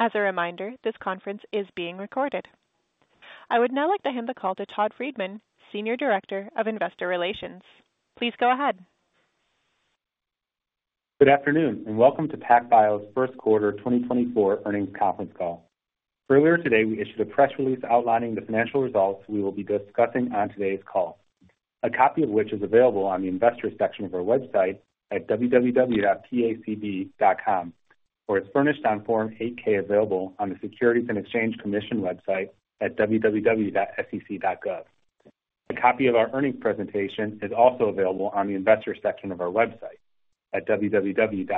As a reminder, this conference is being recorded. I would now like to hand the call to Todd Friedman, Senior Director of Investor Relations. Please go ahead. Good afternoon and welcome to PacBio's first quarter 2024 earnings conference call. Earlier today we issued a press release outlining the financial results we will be discussing on today's call, a copy of which is available on the investors section of our website at www.pacb.com, or is furnished on Form 8-K available on the Securities and Exchange Commission website at www.sec.gov. A copy of our earnings presentation is also available on the investors section of our website at www.pacb.com.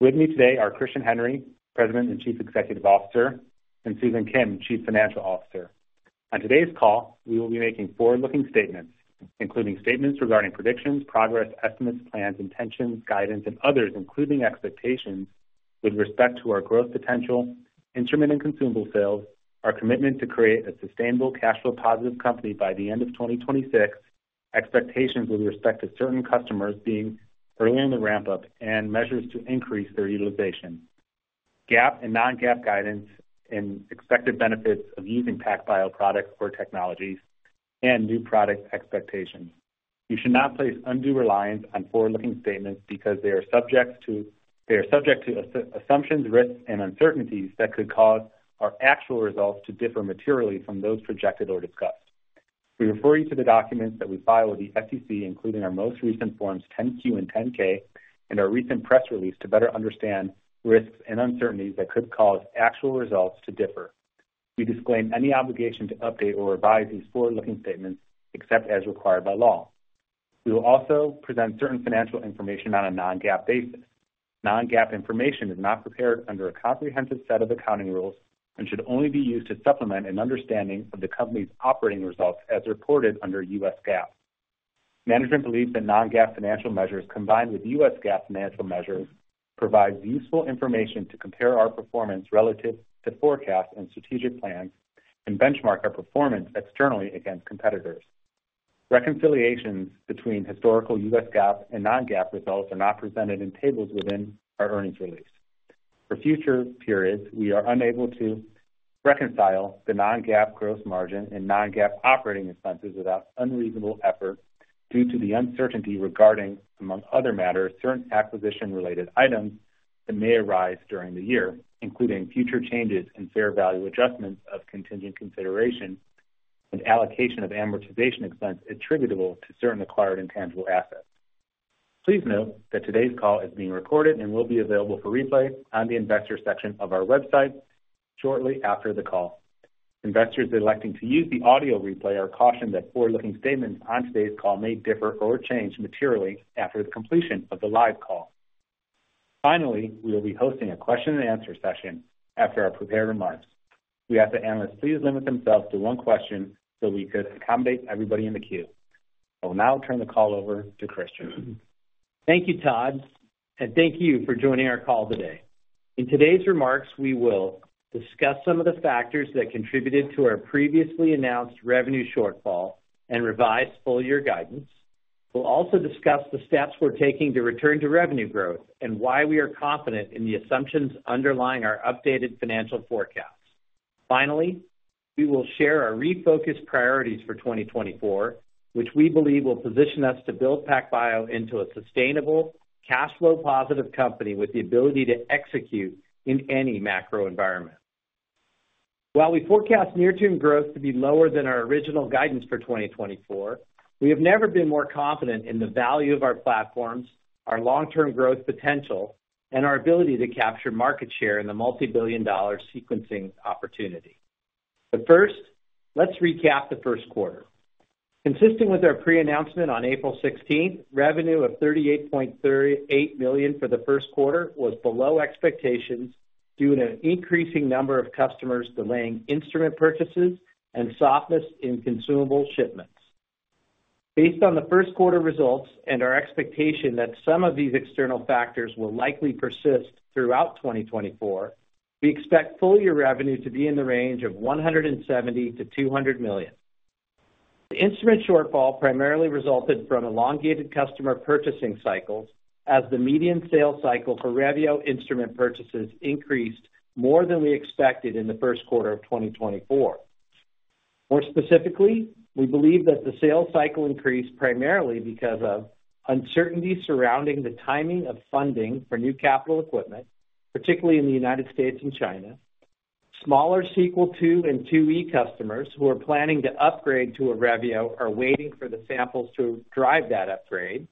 With me today are Christian Henry, President and Chief Executive Officer, and Susan Kim, Chief Financial Officer. On today's call we will be making forward-looking statements, including statements regarding predictions, progress, estimates, plans, intentions, guidance, and others including expectations with respect to our growth potential, instrument and consumable sales, our commitment to create a sustainable cash flow positive company by the end of 2026, expectations with respect to certain customers being earlier in the ramp-up, and measures to increase their utilization, GAAP and non-GAAP guidance in expected benefits of using PacBio products or technologies, and new product expectations. You should not place undue reliance on forward-looking statements because they are subject to assumptions, risks, and uncertainties that could cause our actual results to differ materially from those projected or discussed. We refer you to the documents that we file with the SEC, including our most recent Forms 10-Q and 10-K, and our recent press release to better understand risks and uncertainties that could cause actual results to differ. We disclaim any obligation to update or revise these forward-looking statements except as required by law. We will also present certain financial information on a non-GAAP basis. Non-GAAP information is not prepared under a comprehensive set of accounting rules and should only be used to supplement an understanding of the company's operating results as reported under U.S. GAAP. Management believes that non-GAAP financial measures combined with U.S. GAAP financial measures provide useful information to compare our performance relative to forecasts and strategic plans and benchmark our performance externally against competitors. Reconciliations between historical U.S. GAAP and non-GAAP results are not presented in tables within our earnings release. For future periods we are unable to reconcile the non-GAAP gross margin and non-GAAP operating expenses without unreasonable effort due to the uncertainty regarding, among other matters, certain acquisition-related items that may arise during the year, including future changes and fair value adjustments of contingent consideration and allocation of amortization expense attributable to certain acquired intangible assets. Please note that today's call is being recorded and will be available for replay on the investors section of our website shortly after the call. Investors electing to use the audio replay are cautioned that forward-looking statements on today's call may differ or change materially after the completion of the live call. Finally, we will be hosting a question and answer session after our prepared remarks. We ask that analysts please limit themselves to one question so we could accommodate everybody in the queue. I will now turn the call over to Christian. Thank you, Todd, and thank you for joining our call today. In today's remarks we will discuss some of the factors that contributed to our previously announced revenue shortfall and revised full-year guidance. We'll also discuss the steps we're taking to return to revenue growth and why we are confident in the assumptions underlying our updated financial forecasts. Finally, we will share our refocused priorities for 2024, which we believe will position us to build PacBio into a sustainable, cash flow positive company with the ability to execute in any macro environment. While we forecast near-term growth to be lower than our original guidance for 2024, we have never been more confident in the value of our platforms, our long-term growth potential, and our ability to capture market share in the multi-billion dollar sequencing opportunity. But first, let's recap the first quarter. Consistent with our pre-announcement on April 16th, revenue of $38.38 million for the first quarter was below expectations due to an increasing number of customers delaying instrument purchases and softness in consumable shipments. Based on the first quarter results and our expectation that some of these external factors will likely persist throughout 2024, we expect full-year revenue to be in the range of $170 million-$200 million. The instrument shortfall primarily resulted from elongated customer purchasing cycles as the median sales cycle for Revio instrument purchases increased more than we expected in the first quarter of 2024. More specifically, we believe that the sales cycle increased primarily because of uncertainty surrounding the timing of funding for new capital equipment, particularly in the United States and China. Smaller Sequel II and Sequel IIe customers who are planning to upgrade to a Revio are waiting for the samples to drive that upgrade.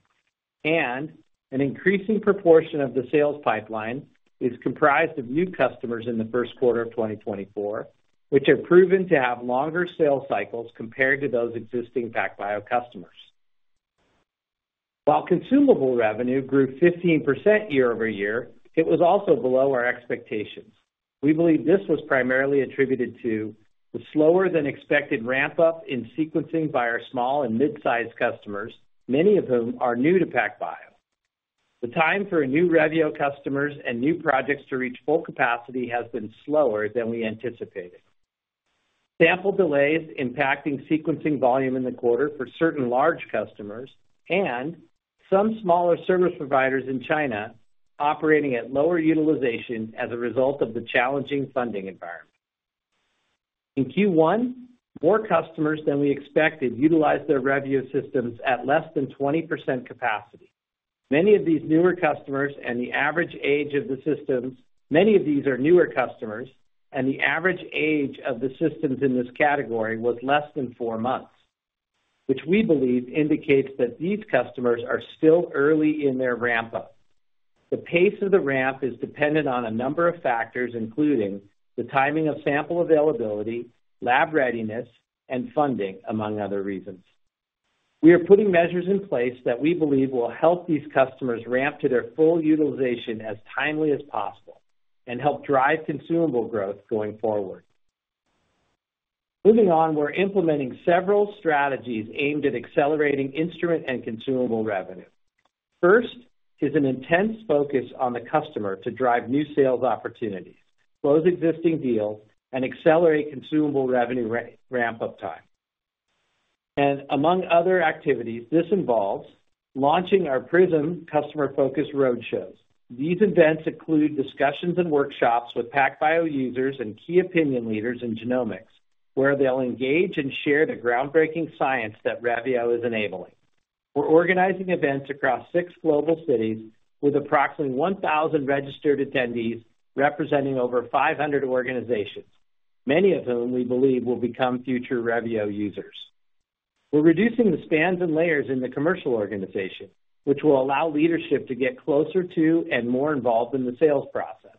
An increasing proportion of the sales pipeline is comprised of new customers in the first quarter of 2024, which have proven to have longer sales cycles compared to those existing PacBio customers. While consumable revenue grew 15% year-over-year, it was also below our expectations. We believe this was primarily attributed to the slower than expected ramp-up in sequencing by our small and midsize customers, many of whom are new to PacBio. The time for new Revio customers and new projects to reach full capacity has been slower than we anticipated. Sample delays impacting sequencing volume in the quarter for certain large customers and some smaller service providers in China operating at lower utilization as a result of the challenging funding environment. In Q1, more customers than we expected utilized their Revio systems at less than 20% capacity. Many of these newer customers and the average age of the systems in this category was less than four months, which we believe indicates that these customers are still early in their ramp-up. The pace of the ramp is dependent on a number of factors including the timing of sample availability, lab readiness, and funding, among other reasons. We are putting measures in place that we believe will help these customers ramp to their full utilization as timely as possible and help drive consumable growth going forward. Moving on, we're implementing several strategies aimed at accelerating instrument and consumable revenue. First is an intense focus on the customer to drive new sales opportunities, close existing deals, and accelerate consumable revenue ramp-up time. Among other activities, this involves launching our PRISM customer-focused roadshows. These events include discussions and workshops with PacBio users and key opinion leaders in genomics, where they'll engage and share the groundbreaking science that Revio is enabling. We're organizing events across six global cities with approximately 1,000 registered attendees representing over 500 organizations, many of whom we believe will become future Revio users. We're reducing the spans and layers in the commercial organization, which will allow leadership to get closer to and more involved in the sales process.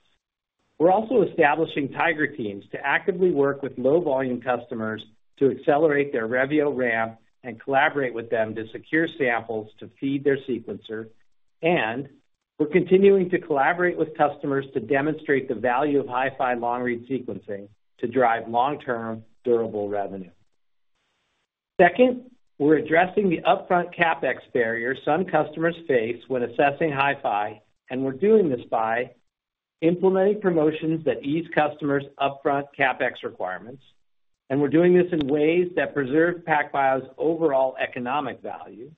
We're also establishing Tiger teams to actively work with low-volume customers to accelerate their Revio ramp and collaborate with them to secure samples to feed their sequencer. We're continuing to collaborate with customers to demonstrate the value of HiFi long-read sequencing to drive long-term durable revenue. Second, we're addressing the upfront CapEx barrier some customers face when assessing HiFi, and we're doing this by implementing promotions that ease customers' upfront CapEx requirements. We're doing this in ways that preserve PacBio's overall economic value.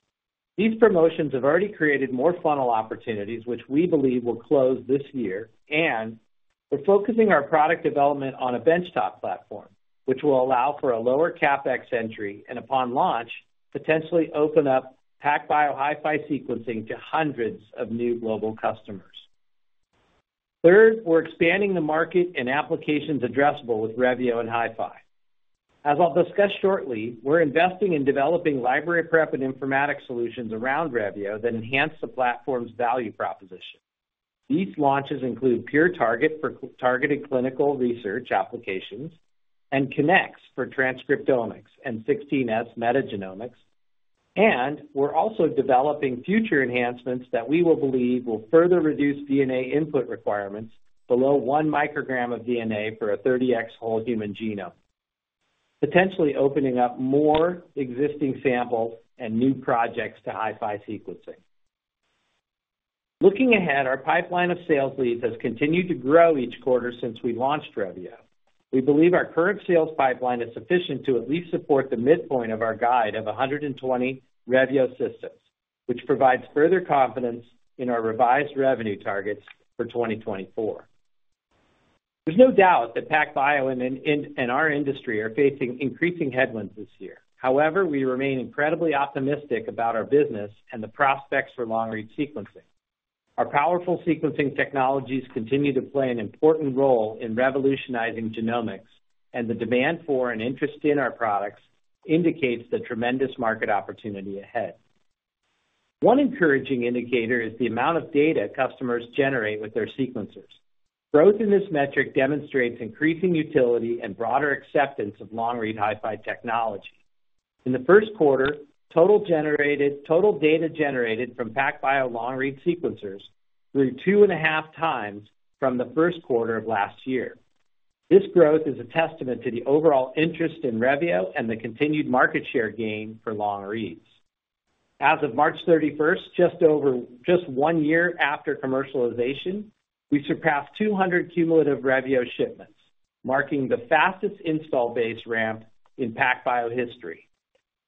These promotions have already created more funnel opportunities, which we believe will close this year. We're focusing our product development on a benchtop platform, which will allow for a lower CapEx entry and, upon launch, potentially open up PacBio HiFi sequencing to hundreds of new global customers. Third, we're expanding the market in applications addressable with Revio and HiFi. As I'll discuss shortly, we're investing in developing library prep and informatics solutions around Revio that enhance the platform's value proposition. These launches include PureTarget for targeted clinical research applications and Kinnex for transcriptomics and 16S metagenomics. We're also developing future enhancements that we will believe will further reduce DNA input requirements below 1 µg of DNA for a 30x whole human genome, potentially opening up more existing samples and new projects to HiFi sequencing. Looking ahead, our pipeline of sales leads has continued to grow each quarter since we launched Revio. We believe our current sales pipeline is sufficient to at least support the midpoint of our guide of 120 Revio systems, which provides further confidence in our revised revenue targets for 2024. There's no doubt that PacBio and our industry are facing increasing headwinds this year. However, we remain incredibly optimistic about our business and the prospects for long-read sequencing. Our powerful sequencing technologies continue to play an important role in revolutionizing genomics, and the demand for and interest in our products indicates the tremendous market opportunity ahead. One encouraging indicator is the amount of data customers generate with their sequencers. Growth in this metric demonstrates increasing utility and broader acceptance of long-read HiFi technology. In the first quarter, total data generated from PacBio long-read sequencers grew 2.5 times from the first quarter of last year. This growth is a testament to the overall interest in Revio and the continued market share gain for long-reads. As of March 31st, just one year after commercialization, we surpassed 200 cumulative Revio shipments, marking the fastest install base ramp in PacBio history.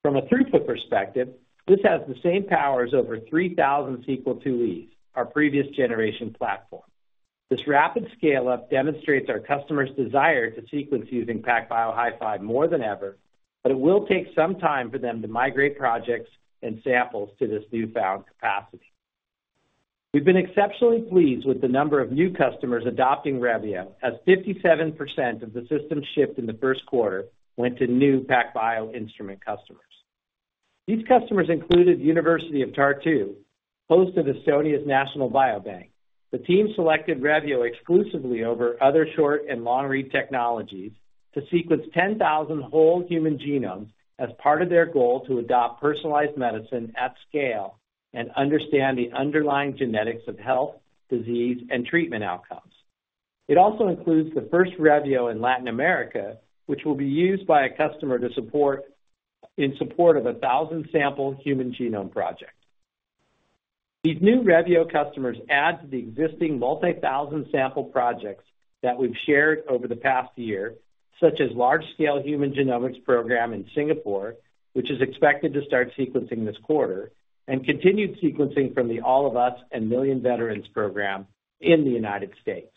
From a throughput perspective, this has the same power as over 3,000 Sequel IIes, our previous generation platform. This rapid scale-up demonstrates our customers' desire to sequence using PacBio HiFi more than ever, but it will take some time for them to migrate projects and samples to this newfound capacity. We've been exceptionally pleased with the number of new customers adopting Revio, as 57% of the systems shipped in the first quarter went to new PacBio instrument customers. These customers included University of Tartu, host of Estonia's National Biobank. The team selected Revio exclusively over other short and long-read technologies to sequence 10,000 whole human genomes as part of their goal to adopt personalized medicine at scale and understand the underlying genetics of health, disease, and treatment outcomes. It also includes the first Revio in Latin America, which will be used by a customer in support of a 1,000-sample human genome project. These new Revio customers add to the existing multi-thousand-sample projects that we've shared over the past year, such as large-scale human genomics program in Singapore, which is expected to start sequencing this quarter, and continued sequencing from the All of Us and Million Veteran Program in the United States.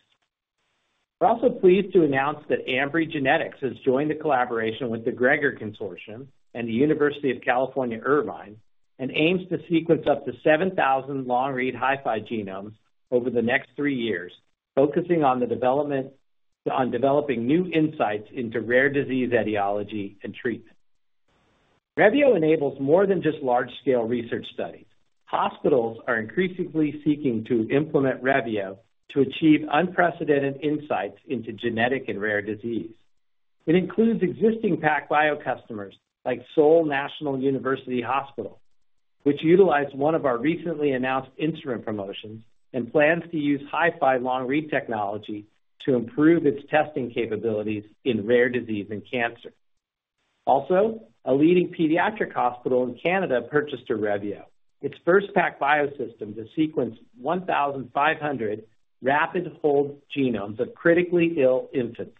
We're also pleased to announce that Ambry Genetics has joined the collaboration with the GREGoR Consortium and the University of California, Irvine, and aims to sequence up to 7,000 long-read HiFi genomes over the next three years, focusing on developing new insights into rare disease etiology and treatment. Revio enables more than just large-scale research studies. Hospitals are increasingly seeking to implement Revio to achieve unprecedented insights into genetic and rare disease. It includes existing PacBio customers like Seoul National University Hospital, which utilized one of our recently announced instrument promotions and plans to use HiFi long-read technology to improve its testing capabilities in rare disease and cancer. Also, a leading pediatric hospital in Canada purchased a Revio, its first PacBio system to sequence 1,500 rapid whole genomes of critically ill infants.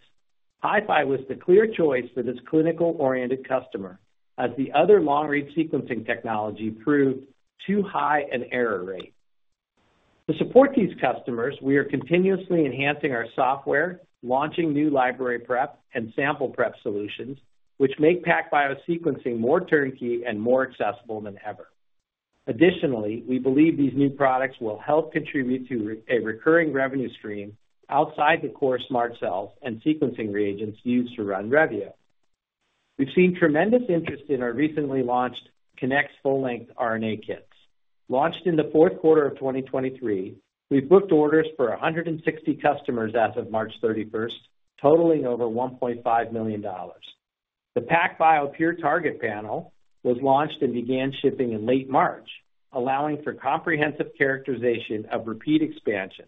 HiFi was the clear choice for this clinical-oriented customer, as the other long-read sequencing technology proved too high an error rate. To support these customers, we are continuously enhancing our software, launching new library prep and sample prep solutions, which make PacBio sequencing more turnkey and more accessible than ever. Additionally, we believe these new products will help contribute to a recurring revenue stream outside the core SMRT Cells and sequencing reagents used to run Revio. We've seen tremendous interest in our recently launched Kinnex full-length RNA kits. Launched in the fourth quarter of 2023, we've booked orders for 160 customers as of March 31st, totaling over $1.5 million. The PacBio PureTarget panel was launched and began shipping in late March, allowing for comprehensive characterization of repeat expansions.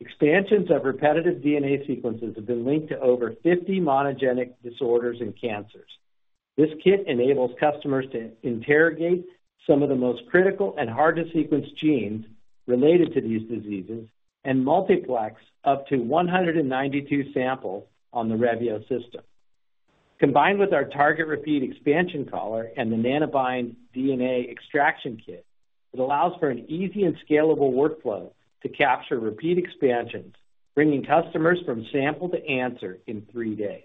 Expansions of repetitive DNA sequences have been linked to over 50 monogenic disorders and cancers. This kit enables customers to interrogate some of the most critical and hard-to-sequence genes related to these diseases and multiplex up to 192 samples on the Revio system. Combined with our TRGT repeat expansion caller and the Nanobind DNA Extraction Kit, it allows for an easy and scalable workflow to capture repeat expansions, bringing customers from sample to answer in three days.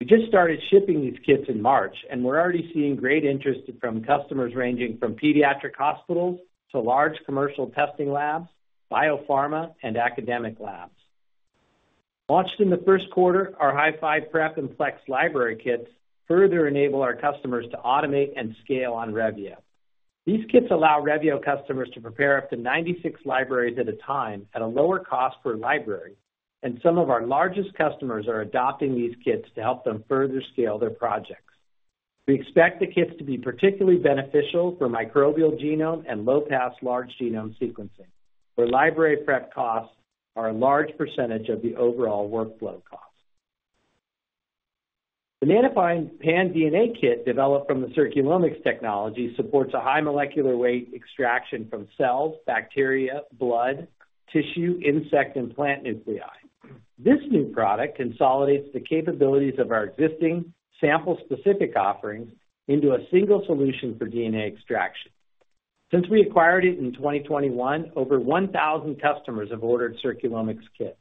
We just started shipping these kits in March, and we're already seeing great interest from customers ranging from pediatric hospitals to large commercial testing labs, biopharma, and academic labs. Launched in the first quarter, our HiFi Prep and Plex library kits further enable our customers to automate and scale on Revio. These kits allow Revio customers to prepare up to 96 libraries at a time at a lower cost per library. Some of our largest customers are adopting these kits to help them further scale their projects. We expect the kits to be particularly beneficial for microbial genome and low-pass large genome sequencing, where library prep costs are a large percentage of the overall workflow costs. The Nanobind PanDNA Kit developed from the Circulomics technology supports a high molecular weight extraction from cells, bacteria, blood, tissue, insect, and plant nuclei. This new product consolidates the capabilities of our existing sample-specific offerings into a single solution for DNA extraction. Since we acquired it in 2021, over 1,000 customers have ordered Circulomics kits.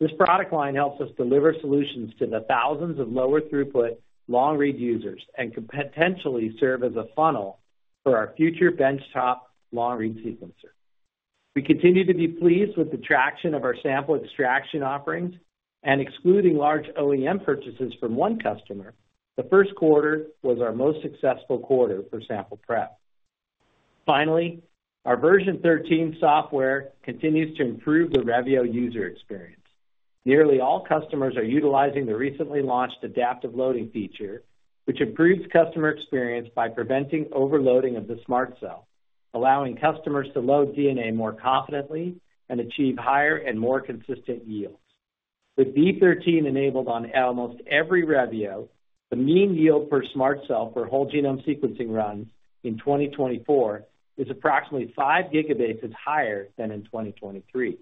This product line helps us deliver solutions to the thousands of lower throughput long-read users and potentially serve as a funnel for our future benchtop long-read sequencer. We continue to be pleased with the traction of our sample extraction offerings. Excluding large OEM purchases from one customer, the first quarter was our most successful quarter for sample prep. Finally, our version 13 software continues to improve the Revio user experience. Nearly all customers are utilizing the recently launched Adaptive Loading feature, which improves customer experience by preventing overloading of the SMRT Cell, allowing customers to load DNA more confidently and achieve higher and more consistent yields. With V13 enabled on almost every Revio, the mean yield per SMRT Cell for whole genome sequencing runs in 2024 is approximately 5 GB higher than in 2023.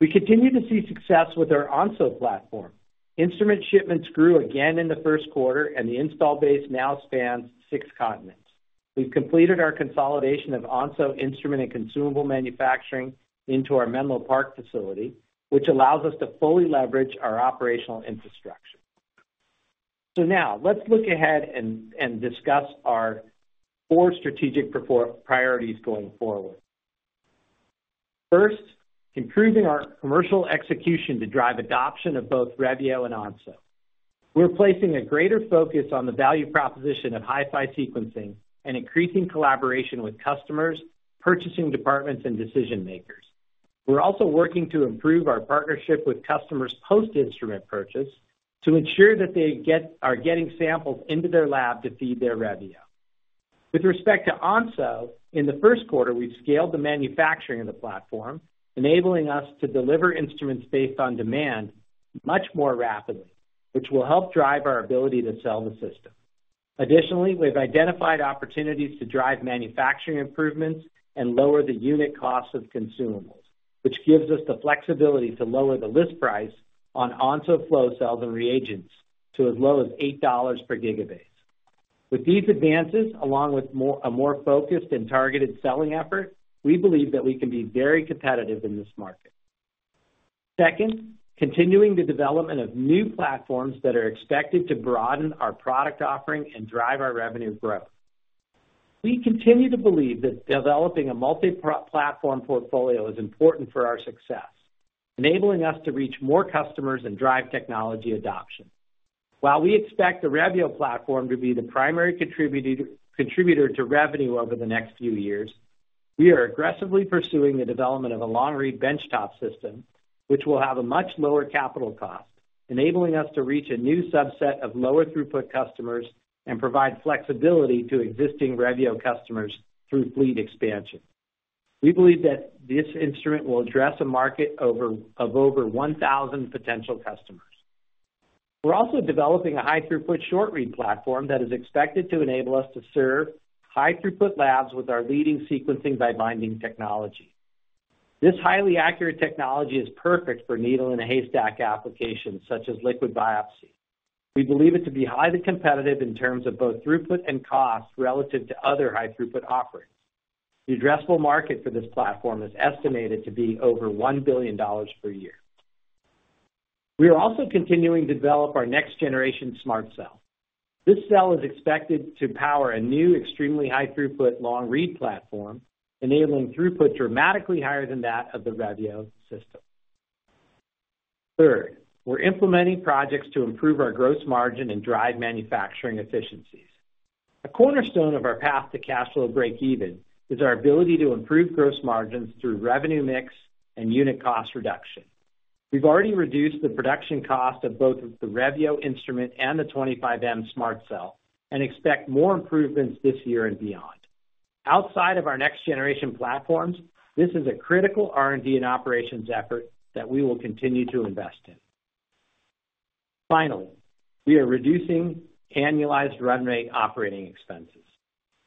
We continue to see success with our Onso platform. Instrument shipments grew again in the first quarter, and the install base now spans six continents. We've completed our consolidation of Onso instrument and consumable manufacturing into our Menlo Park facility, which allows us to fully leverage our operational infrastructure. So now, let's look ahead and discuss our four strategic priorities going forward. First, improving our commercial execution to drive adoption of both Revio and Onso. We're placing a greater focus on the value proposition of HiFi sequencing and increasing collaboration with customers, purchasing departments, and decision-makers. We're also working to improve our partnership with customers post-instrument purchase to ensure that they are getting samples into their lab to feed their Revio. With respect to Onso, in the first quarter, we've scaled the manufacturing of the platform, enabling us to deliver instruments based on demand much more rapidly, which will help drive our ability to sell the system. Additionally, we've identified opportunities to drive manufacturing improvements and lower the unit costs of consumables, which gives us the flexibility to lower the list price on Onso flow cells and reagents to as low as $8 per gigabase. With these advances, along with a more focused and targeted selling effort, we believe that we can be very competitive in this market. Second, continuing the development of new platforms that are expected to broaden our product offering and drive our revenue growth. We continue to believe that developing a multi-platform portfolio is important for our success, enabling us to reach more customers and drive technology adoption. While we expect the Revio platform to be the primary contributor to revenue over the next few years, we are aggressively pursuing the development of a long-read benchtop system, which will have a much lower capital cost, enabling us to reach a new subset of lower throughput customers and provide flexibility to existing Revio customers through fleet expansion. We believe that this instrument will address a market of over 1,000 potential customers. We're also developing a high-throughput short-read platform that is expected to enable us to serve high-throughput labs with our leading sequencing by binding technology. This highly accurate technology is perfect for needle-in-a-haystack applications such as liquid biopsy. We believe it to be highly competitive in terms of both throughput and cost relative to other high-throughput offerings. The addressable market for this platform is estimated to be over $1 billion per year. We are also continuing to develop our next-generation SMRT Cell. This cell is expected to power a new, extremely high-throughput long-read platform, enabling throughput dramatically higher than that of the Revio system. Third, we're implementing projects to improve our gross margin and drive manufacturing efficiencies. A cornerstone of our path to cash flow break-even is our ability to improve gross margins through revenue mix and unit cost reduction. We've already reduced the production cost of both the Revio instrument and the 25M SMRT Cell and expect more improvements this year and beyond. Outside of our next-generation platforms, this is a critical R&D and operations effort that we will continue to invest in. Finally, we are reducing annualized run rate operating expenses.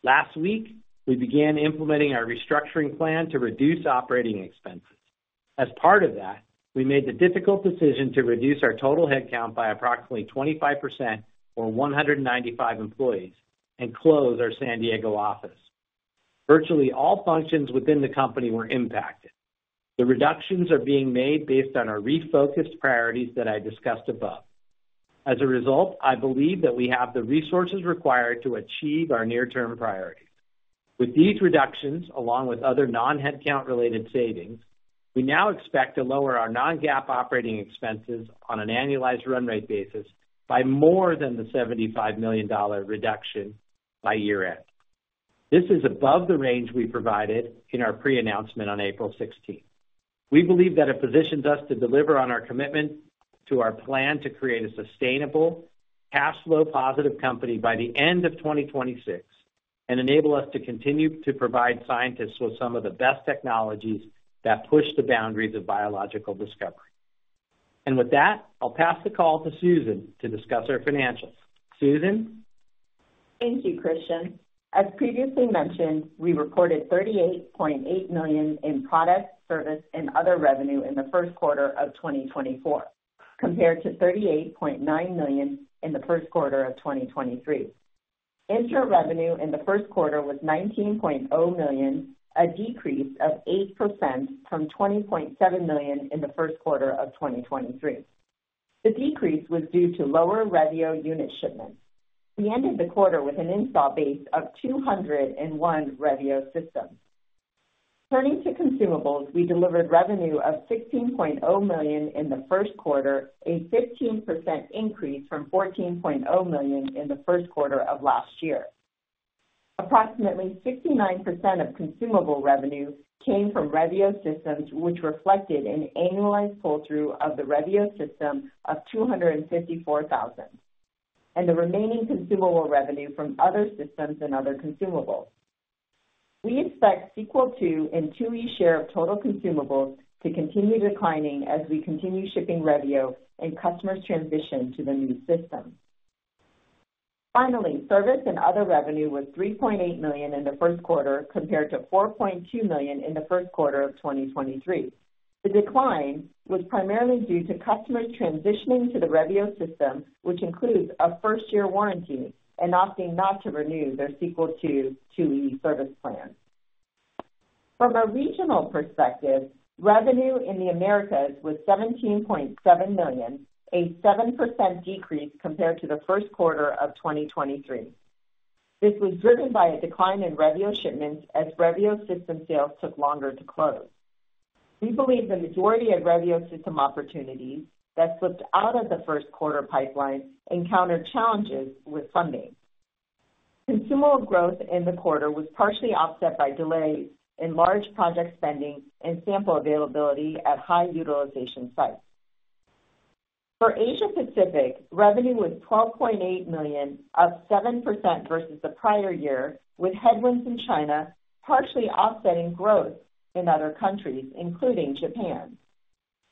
Last week, we began implementing our restructuring plan to reduce operating expenses. As part of that, we made the difficult decision to reduce our total headcount by approximately 25% or 195 employees and close our San Diego office. Virtually all functions within the company were impacted. The reductions are being made based on our refocused priorities that I discussed above. As a result, I believe that we have the resources required to achieve our near-term priorities. With these reductions, along with other non-headcount-related savings, we now expect to lower our non-GAAP operating expenses on an annualized run rate basis by more than the $75 million reduction by year-end. This is above the range we provided in our pre-announcement on April 16th. We believe that it positions us to deliver on our commitment to our plan to create a sustainable, cash flow-positive company by the end of 2026 and enable us to continue to provide scientists with some of the best technologies that push the boundaries of biological discovery. With that, I'll pass the call to Susan to discuss our financials. Susan? Thank you, Christian. As previously mentioned, we reported $38.8 million in product, service, and other revenue in the first quarter of 2024, compared to $38.9 million in the first quarter of 2023. Instrument revenue in the first quarter was $19.0 million, a decrease of 8% from $20.7 million in the first quarter of 2023. The decrease was due to lower Revio unit shipments. We ended the quarter with an installed base of 201 Revio systems. Turning to consumables, we delivered revenue of $16.0 million in the first quarter, a 15% increase from $14.0 million in the first quarter of last year. Approximately 69% of consumable revenue came from Revio systems, which reflected an annualized pull-through of the Revio system of $254,000, and the remaining consumable revenue from other systems and other consumables. We expect Sequel II and IIe share of total consumables to continue declining as we continue shipping Revio and customers transition to the new system. Finally, service and other revenue was $3.8 million in the first quarter, compared to $4.2 million in the first quarter of 2023. The decline was primarily due to customers transitioning to the Revio system, which includes a first-year warranty and opting not to renew their Sequel II and IIe service plan. From a regional perspective, revenue in the Americas was $17.7 million, a 7% decrease compared to the first quarter of 2023. This was driven by a decline in Revio shipments as Revio system sales took longer to close. We believe the majority of Revio system opportunities that slipped out of the first quarter pipeline encountered challenges with funding. Consumable growth in the quarter was partially offset by delays in large project spending and sample availability at high utilization sites. For Asia-Pacific, revenue was $12.8 million, up 7% versus the prior year, with headwinds in China partially offsetting growth in other countries, including Japan.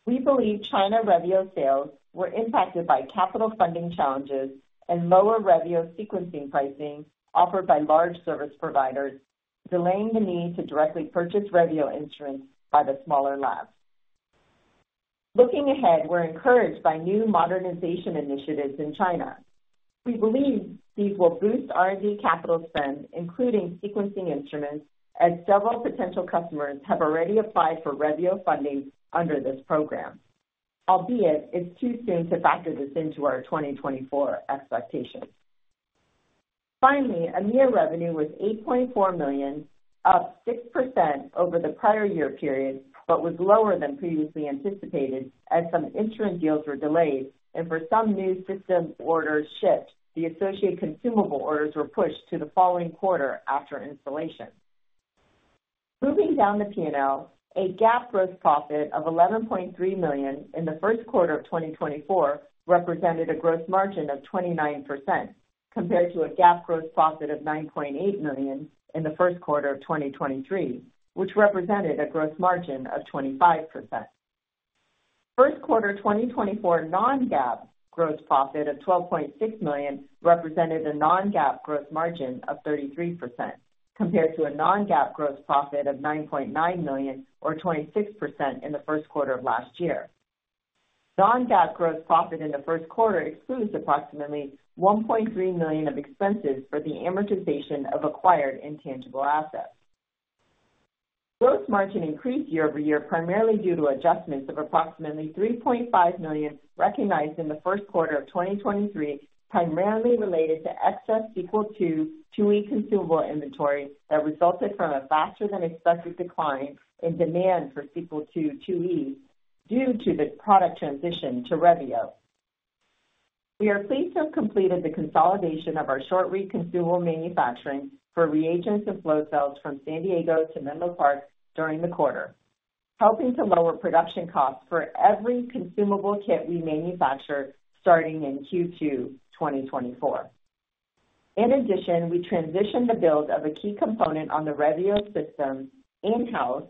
We believe China Revio sales were impacted by capital funding challenges and lower Revio sequencing pricing offered by large service providers, delaying the need to directly purchase Revio instruments by the smaller labs. Looking ahead, we're encouraged by new modernization initiatives in China. We believe these will boost R&D capital spend, including sequencing instruments, as several potential customers have already applied for Revio funding under this program, albeit it's too soon to factor this into our 2024 expectations. Finally, Q1 revenue was $8.4 million, up 6% over the prior year period but was lower than previously anticipated as some instrument deals were delayed and for some new system orders shipped, the associated consumable orders were pushed to the following quarter after installation. Moving down the P&L, GAAP gross profit of $11.3 million in the first quarter of 2024 represented a gross margin of 29% compared to GAAP gross profit of $9.8 million in the first quarter of 2023, which represented a gross margin of 25%. First quarter 2024 non-GAAP gross profit of $12.6 million represented a non-GAAP gross margin of 33% compared to a non-GAAP gross profit of $9.9 million or 26% in the first quarter of last year. Non-GAAP gross profit in the first quarter excludes approximately $1.3 million of expenses for the amortization of acquired intangible assets. Gross margin increased year-over-year primarily due to adjustments of approximately $3.5 million recognized in the first quarter of 2023, primarily related to excess Sequel IIe consumable inventory that resulted from a faster-than-expected decline in demand for Sequel IIe due to the product transition to Revio. We are pleased to have completed the consolidation of our short-read consumable manufacturing for reagents and flow cells from San Diego to Menlo Park during the quarter, helping to lower production costs for every consumable kit we manufacture starting in Q2 2024. In addition, we transitioned the build of a key component on the Revio system in-house,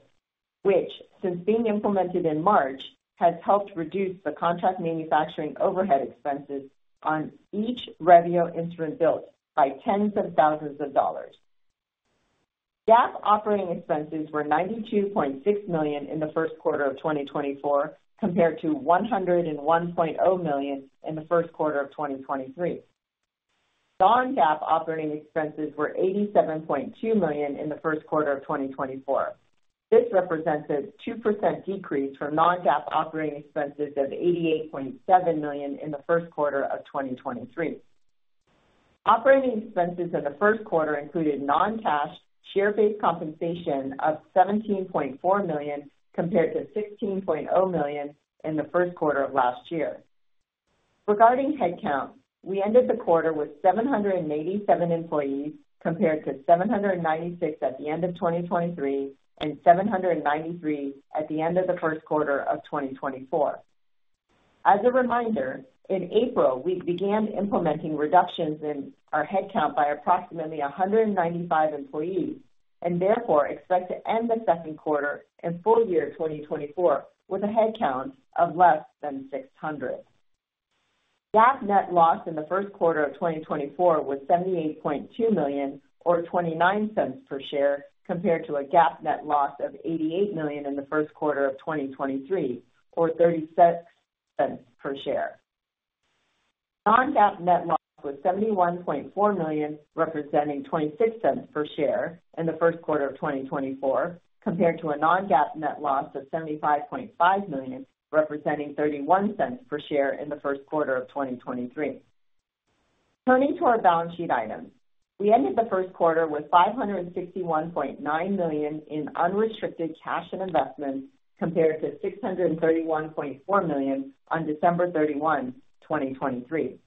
which, since being implemented in March, has helped reduce the contract manufacturing overhead expenses on each Revio instrument built by tens of thousands of dollars. GAAP operating expenses were $92.6 million in the first quarter of 2024 compared to $101.0 million in the first quarter of 2023. Non-GAAP operating expenses were $87.2 million in the first quarter of 2024. This represents a 2% decrease from Non-GAAP operating expenses of $88.7 million in the first quarter of 2023. Operating expenses in the first quarter included non-cash share-based compensation of $17.4 million compared to $16.0 million in the first quarter of last year. Regarding headcount, we ended the quarter with 787 employees compared to 796 at the end of 2023 and 793 at the end of the first quarter of 2024. As a reminder, in April, we began implementing reductions in our headcount by approximately 195 employees and therefore expect to end the second quarter and full year 2024 with a headcount of less than 600. GAAP net loss in the first quarter of 2024 was $78.2 million or $0.29 per share compared to a GAAP net loss of $88 million in the first quarter of 2023 or $0.36 per share. Non-GAAP net loss was $71.4 million, representing $0.26 per share in the first quarter of 2024, compared to a non-GAAP net loss of $75.5 million, representing $0.31 per share in the first quarter of 2023. Turning to our balance sheet items, we ended the first quarter with $561.9 million in unrestricted cash and investments compared to $631.4 million on December 31, 2023.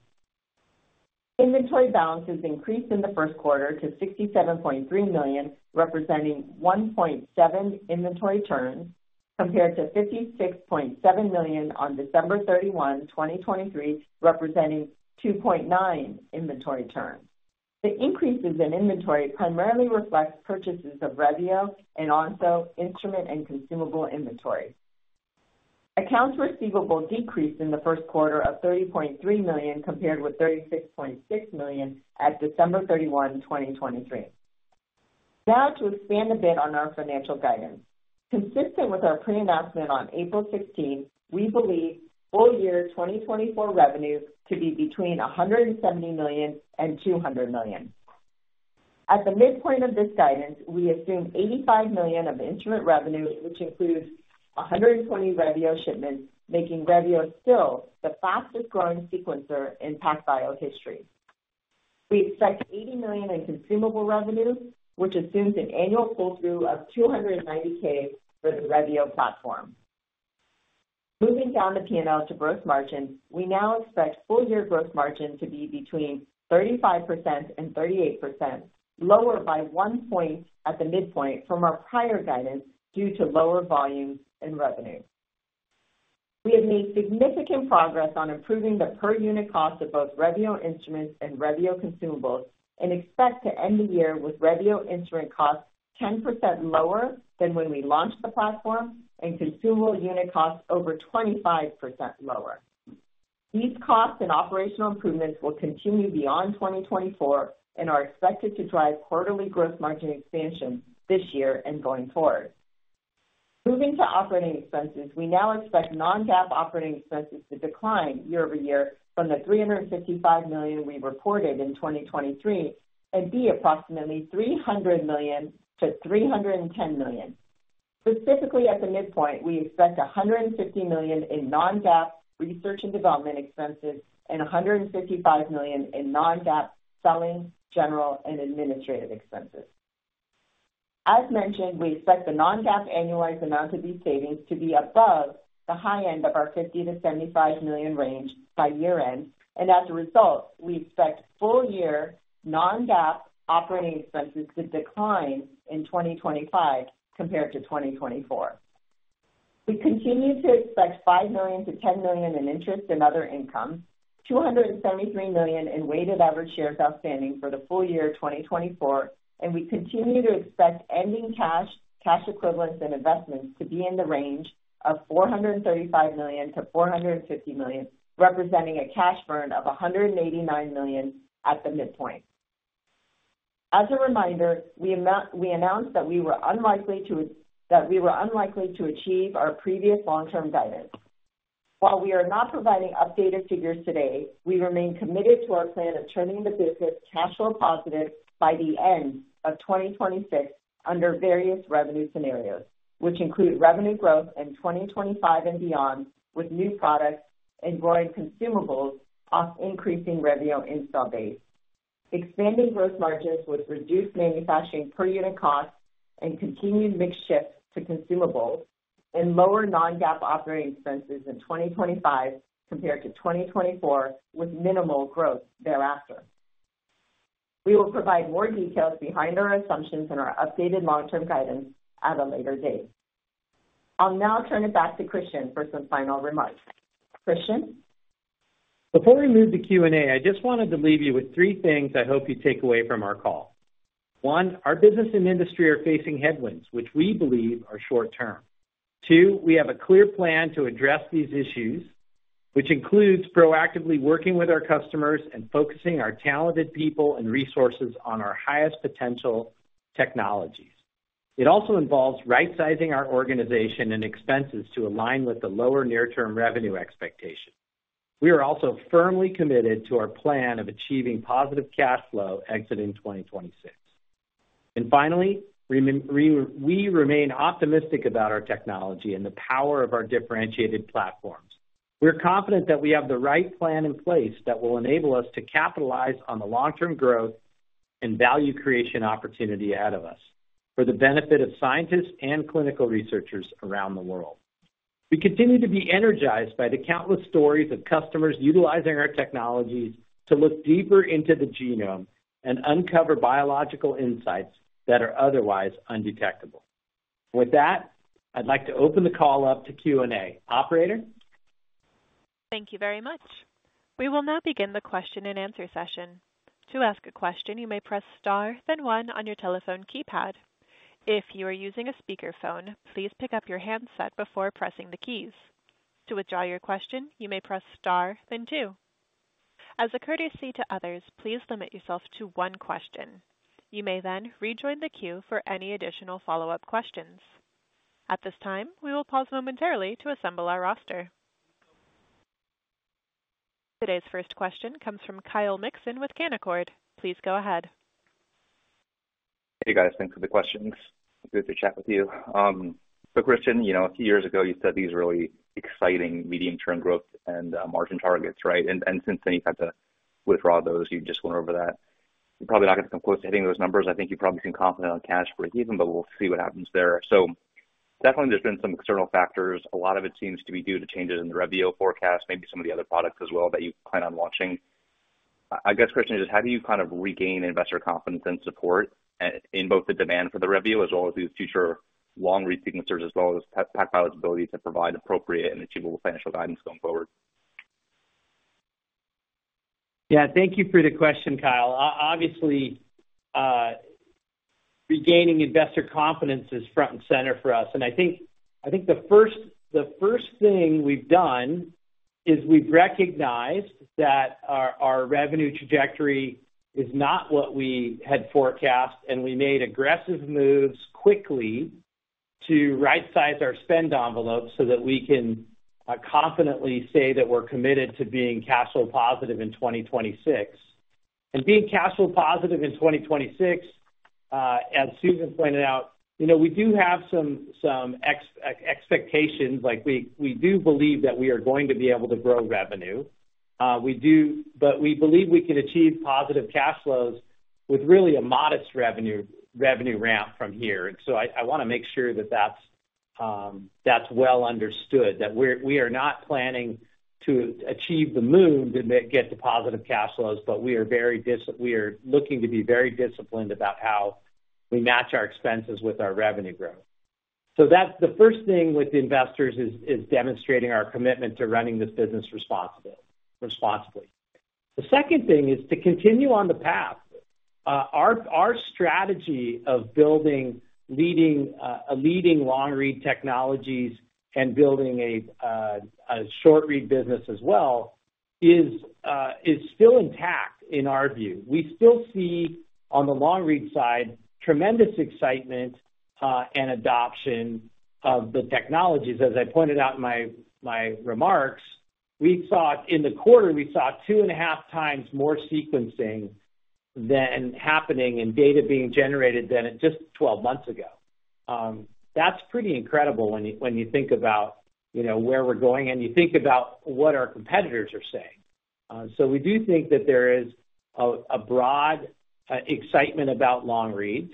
Inventory balance has increased in the first quarter to $67.3 million, representing 1.7 inventory turns compared to $56.7 million on December 31, 2023, representing 2.9 inventory turns. The increases in inventory primarily reflect purchases of Revio and Onso instrument and consumable inventory. Accounts receivable decreased in the first quarter of $30.3 million compared with $36.6 million at December 31, 2023. Now, to expand a bit on our financial guidance. Consistent with our pre-announcement on April 16th, we believe full year 2024 revenue to be between $170 million and $200 million. At the midpoint of this guidance, we assume $85 million of instrument revenue, which includes 120 Revio shipments, making Revio still the fastest-growing sequencer in PacBio history. We expect $80 million in consumable revenue, which assumes an annual pull-through of $290,000 for the Revio platform. Moving down the P&L to gross margins, we now expect full year gross margin to be between 35% and 38%, lower by one point at the midpoint from our prior guidance due to lower volumes and revenue. We have made significant progress on improving the per-unit cost of both Revio instruments and Revio consumables and expect to end the year with Revio instrument costs 10% lower than when we launched the platform and consumable unit costs over 25% lower. These costs and operational improvements will continue beyond 2024 and are expected to drive quarterly gross margin expansion this year and going forward. Moving to operating expenses, we now expect non-GAAP operating expenses to decline year-over-year from the $355 million we reported in 2023 and be approximately $300 million-$310 million. Specifically at the midpoint, we expect $150 million in non-GAAP research and development expenses and $155 million in non-GAAP selling, general, and administrative expenses. As mentioned, we expect the non-GAAP annualized amount of these savings to be above the high end of our $50 million-$75 million range by year-end. And as a result, we expect full-year non-GAAP operating expenses to decline in 2025 compared to 2024. We continue to expect $5 million-$10 million in interest and other income, 273 million in weighted average shares outstanding for the full year 2024. And we continue to expect ending cash, cash equivalents, and investments to be in the range of $435 million-$450 million, representing a cash burn of $189 million at the midpoint. As a reminder, we announced that we were unlikely to achieve our previous long-term guidance. While we are not providing updated figures today, we remain committed to our plan of turning the business cash flow positive by the end of 2026 under various revenue scenarios, which include revenue growth in 2025 and beyond with new products and growing consumables off increasing Revio install base, expanding gross margins with reduced manufacturing per-unit costs and continued mixed shifts to consumables, and lower non-GAAP operating expenses in 2025 compared to 2024 with minimal growth thereafter. We will provide more details behind our assumptions and our updated long-term guidance at a later date. I'll now turn it back to Christian for some final remarks. Christian? Before we move to Q&A, I just wanted to leave you with three things I hope you take away from our call. One, our business and industry are facing headwinds, which we believe are short-term. Two, we have a clear plan to address these issues, which includes proactively working with our customers and focusing our talented people and resources on our highest potential technologies. It also involves right-sizing our organization and expenses to align with the lower near-term revenue expectations. We are also firmly committed to our plan of achieving positive cash flow exiting 2026. Finally, we remain optimistic about our technology and the power of our differentiated platforms. We're confident that we have the right plan in place that will enable us to capitalize on the long-term growth and value creation opportunity ahead of us for the benefit of scientists and clinical researchers around the world. We continue to be energized by the countless stories of customers utilizing our technologies to look deeper into the genome and uncover biological insights that are otherwise undetectable. With that, I'd like to open the call up to Q&A. Operator? Thank you very much. We will now begin the question and answer session. To ask a question, you may press star, then one, on your telephone keypad. If you are using a speakerphone, please pick up your handset before pressing the keys. To withdraw your question, you may press star, then two. As a courtesy to others, please limit yourself to one question. You may then rejoin the queue for any additional follow-up questions. At this time, we will pause momentarily to assemble our roster. Today's first question comes from Kyle Mixon with Canaccord. Please go ahead. Hey, guys. Thanks for the questions. Good to chat with you. But Christian, a few years ago, you said these really exciting medium-term growth and margin targets, right? And since then you've had to withdraw those. You just went over that. You're probably not going to come close to hitting those numbers. I think you've probably seen confidence on cash break even, but we'll see what happens there. So definitely, there's been some external factors. A lot of it seems to be due to changes in the Revio forecast, maybe some of the other products as well that you plan on launching. I guess, Christian, is how do you kind of regain investor confidence and support in both the demand for the Revio as well as these future long-read sequencers as well as PacBio's ability to provide appropriate and achievable financial guidance going forward? Yeah. Thank you for the question, Kyle. Obviously, regaining investor confidence is front and center for us. And I think the first thing we've done is we've recognized that our revenue trajectory is not what we had forecast. We made aggressive moves quickly to right-size our spend envelope so that we can confidently say that we're committed to being cash flow positive in 2026. Being cash flow positive in 2026, as Susan pointed out, we do have some expectations. We do believe that we are going to be able to grow revenue. But we believe we can achieve positive cash flows with really a modest revenue ramp from here. And so I want to make sure that that's well understood, that we are not planning to achieve the moon to get to positive cash flows, but we are looking to be very disciplined about how we match our expenses with our revenue growth. So the first thing with investors is demonstrating our commitment to running this business responsibly. The second thing is to continue on the path. Our strategy of building a leading long-read technologies and building a short-read business as well is still intact, in our view. We still see on the long-read side tremendous excitement and adoption of the technologies. As I pointed out in my remarks, in the quarter, we saw 2.5 times more sequencing happening and data being generated than just 12 months ago. That's pretty incredible when you think about where we're going and you think about what our competitors are saying. So we do think that there is a broad excitement about long-reads.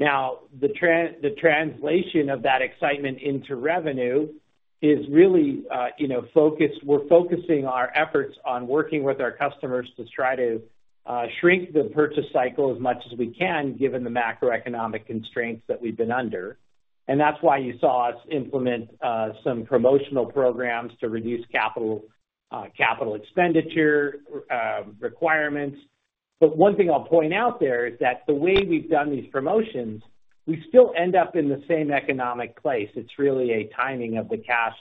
Now, the translation of that excitement into revenue is really focused. We're focusing our efforts on working with our customers to try to shrink the purchase cycle as much as we can given the macroeconomic constraints that we've been under. And that's why you saw us implement some promotional programs to reduce capital expenditure requirements. But one thing I'll point out there is that the way we've done these promotions, we still end up in the same economic place. It's really a timing of the cash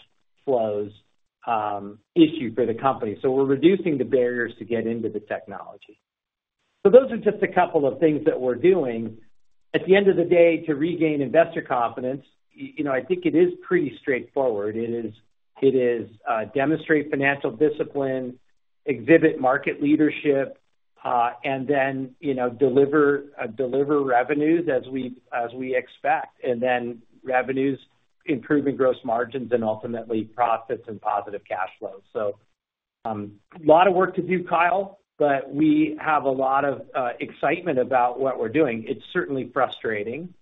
flows issue for the company. So we're reducing the barriers to get into the technology. So those are just a couple of things that we're doing. At the end of the day, to regain investor confidence, I think it is pretty straightforward. It is demonstrate financial discipline, exhibit market leadership, and then deliver revenues as we expect, and then revenues, improving gross margins, and ultimately profits and positive cash flows. So a lot of work to do, Kyle, but we have a lot of excitement about what we're doing. It's certainly frustrating,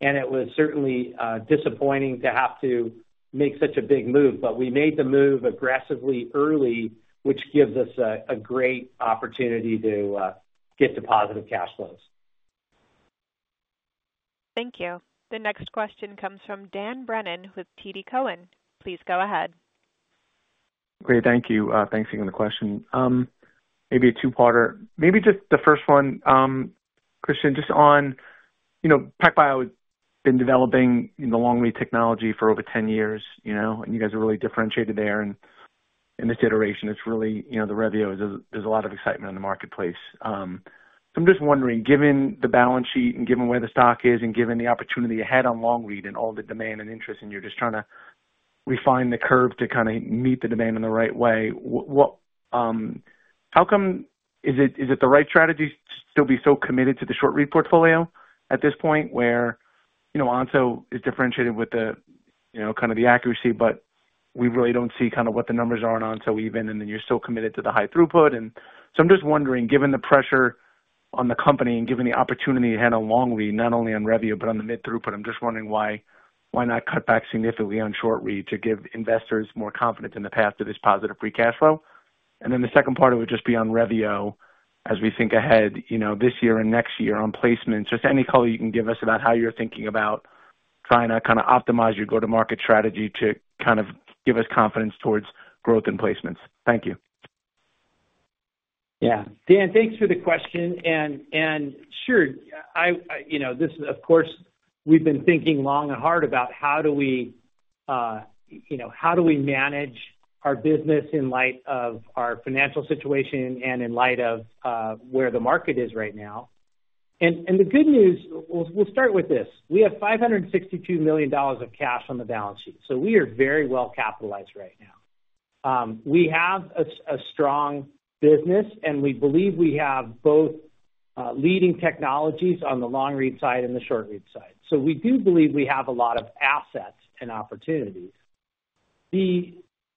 and it was certainly disappointing to have to make such a big move. But we made the move aggressively early, which gives us a great opportunity to get to positive cash flows. Thank you. The next question comes from Dan Brennan with TD Cowen. Please go ahead. Great. Thank you. Thanks for giving the question. Maybe a two-parter. Maybe just the first one, Christian, just on PacBio has been developing the long-read technology for over 10 years, and you guys are really differentiated there. And in this iteration, it's really the Revio. There's a lot of excitement in the marketplace. So I'm just wondering, given the balance sheet and given where the stock is and given the opportunity ahead on long-read and all the demand and interest, and you're just trying to refine the curve to kind of meet the demand in the right way, how come is it the right strategy to still be so committed to the short-read portfolio at this point where Onso is differentiated with kind of the accuracy, but we really don't see kind of what the numbers are on Onso even, and then you're still committed to the high throughput? And so I'm just wondering, given the pressure on the company and given the opportunity to handle long-read, not only on Revio but on the mid-throughput, I'm just wondering why not cut back significantly on short-read to give investors more confidence in the path to this positive free cash flow? And then the second part would just be on Revio as we think ahead this year and next year on placements. Just any color you can give us about how you're thinking about trying to kind of optimize your go-to-market strategy to kind of give us confidence towards growth and placements. Thank you. Yeah. Dan, thanks for the question. And sure, this, of course, we've been thinking long and hard about how do we manage our business in light of our financial situation and in light of where the market is right now? And the good news we'll start with this. We have $562 million of cash on the balance sheet. So we are very well capitalized right now. We have a strong business, and we believe we have both leading technologies on the long-read side and the short-read side. So we do believe we have a lot of assets and opportunities.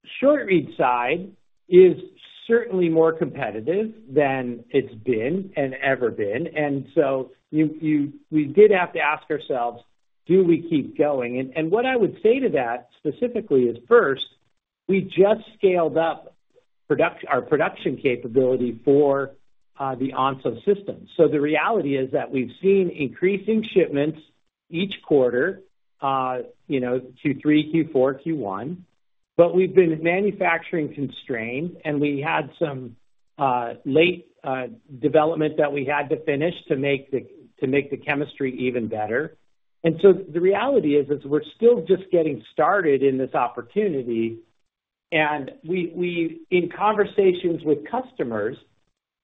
The short-read side is certainly more competitive than it's been and ever been. And so we did have to ask ourselves, "Do we keep going?" And what I would say to that specifically is, first, we just scaled up our production capability for the Onso system. So the reality is that we've seen increasing shipments each quarter, Q3, Q4, Q1. But we've been manufacturing constrained, and we had some late development that we had to finish to make the chemistry even better. And so the reality is we're still just getting started in this opportunity. And in conversations with customers,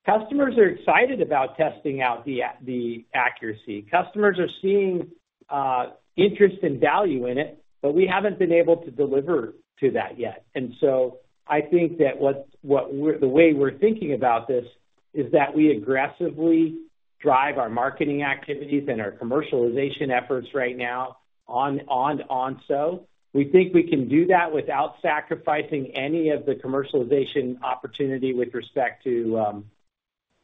customers are excited about testing out the accuracy. Customers are seeing interest and value in it, but we haven't been able to deliver to that yet. And so I think that the way we're thinking about this is that we aggressively drive our marketing activities and our commercialization efforts right now on Onso. We think we can do that without sacrificing any of the commercialization opportunity with respect to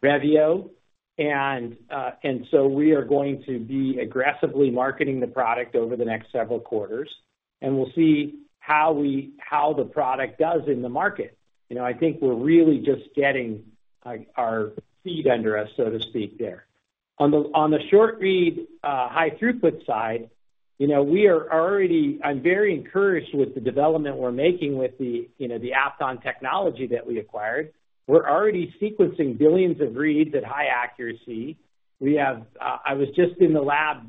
Revio. And so we are going to be aggressively marketing the product over the next several quarters, and we'll see how the product does in the market. I think we're really just getting our feet under us, so to speak, there. On the short-read, high-throughput side, we are already. I'm very encouraged with the development we're making with the Apton technology that we acquired. We're already sequencing billions of reads at high accuracy. I was just in the lab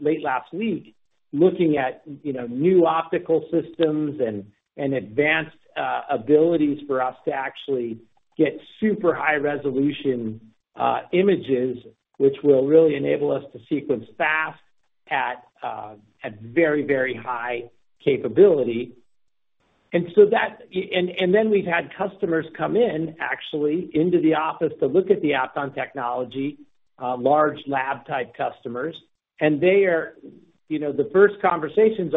late last week looking at new optical systems and advanced abilities for us to actually get super high-resolution images, which will really enable us to sequence fast at very, very high capability. And then we've had customers come in, actually, into the office to look at the Onso technology, large lab-type customers. And the first conversations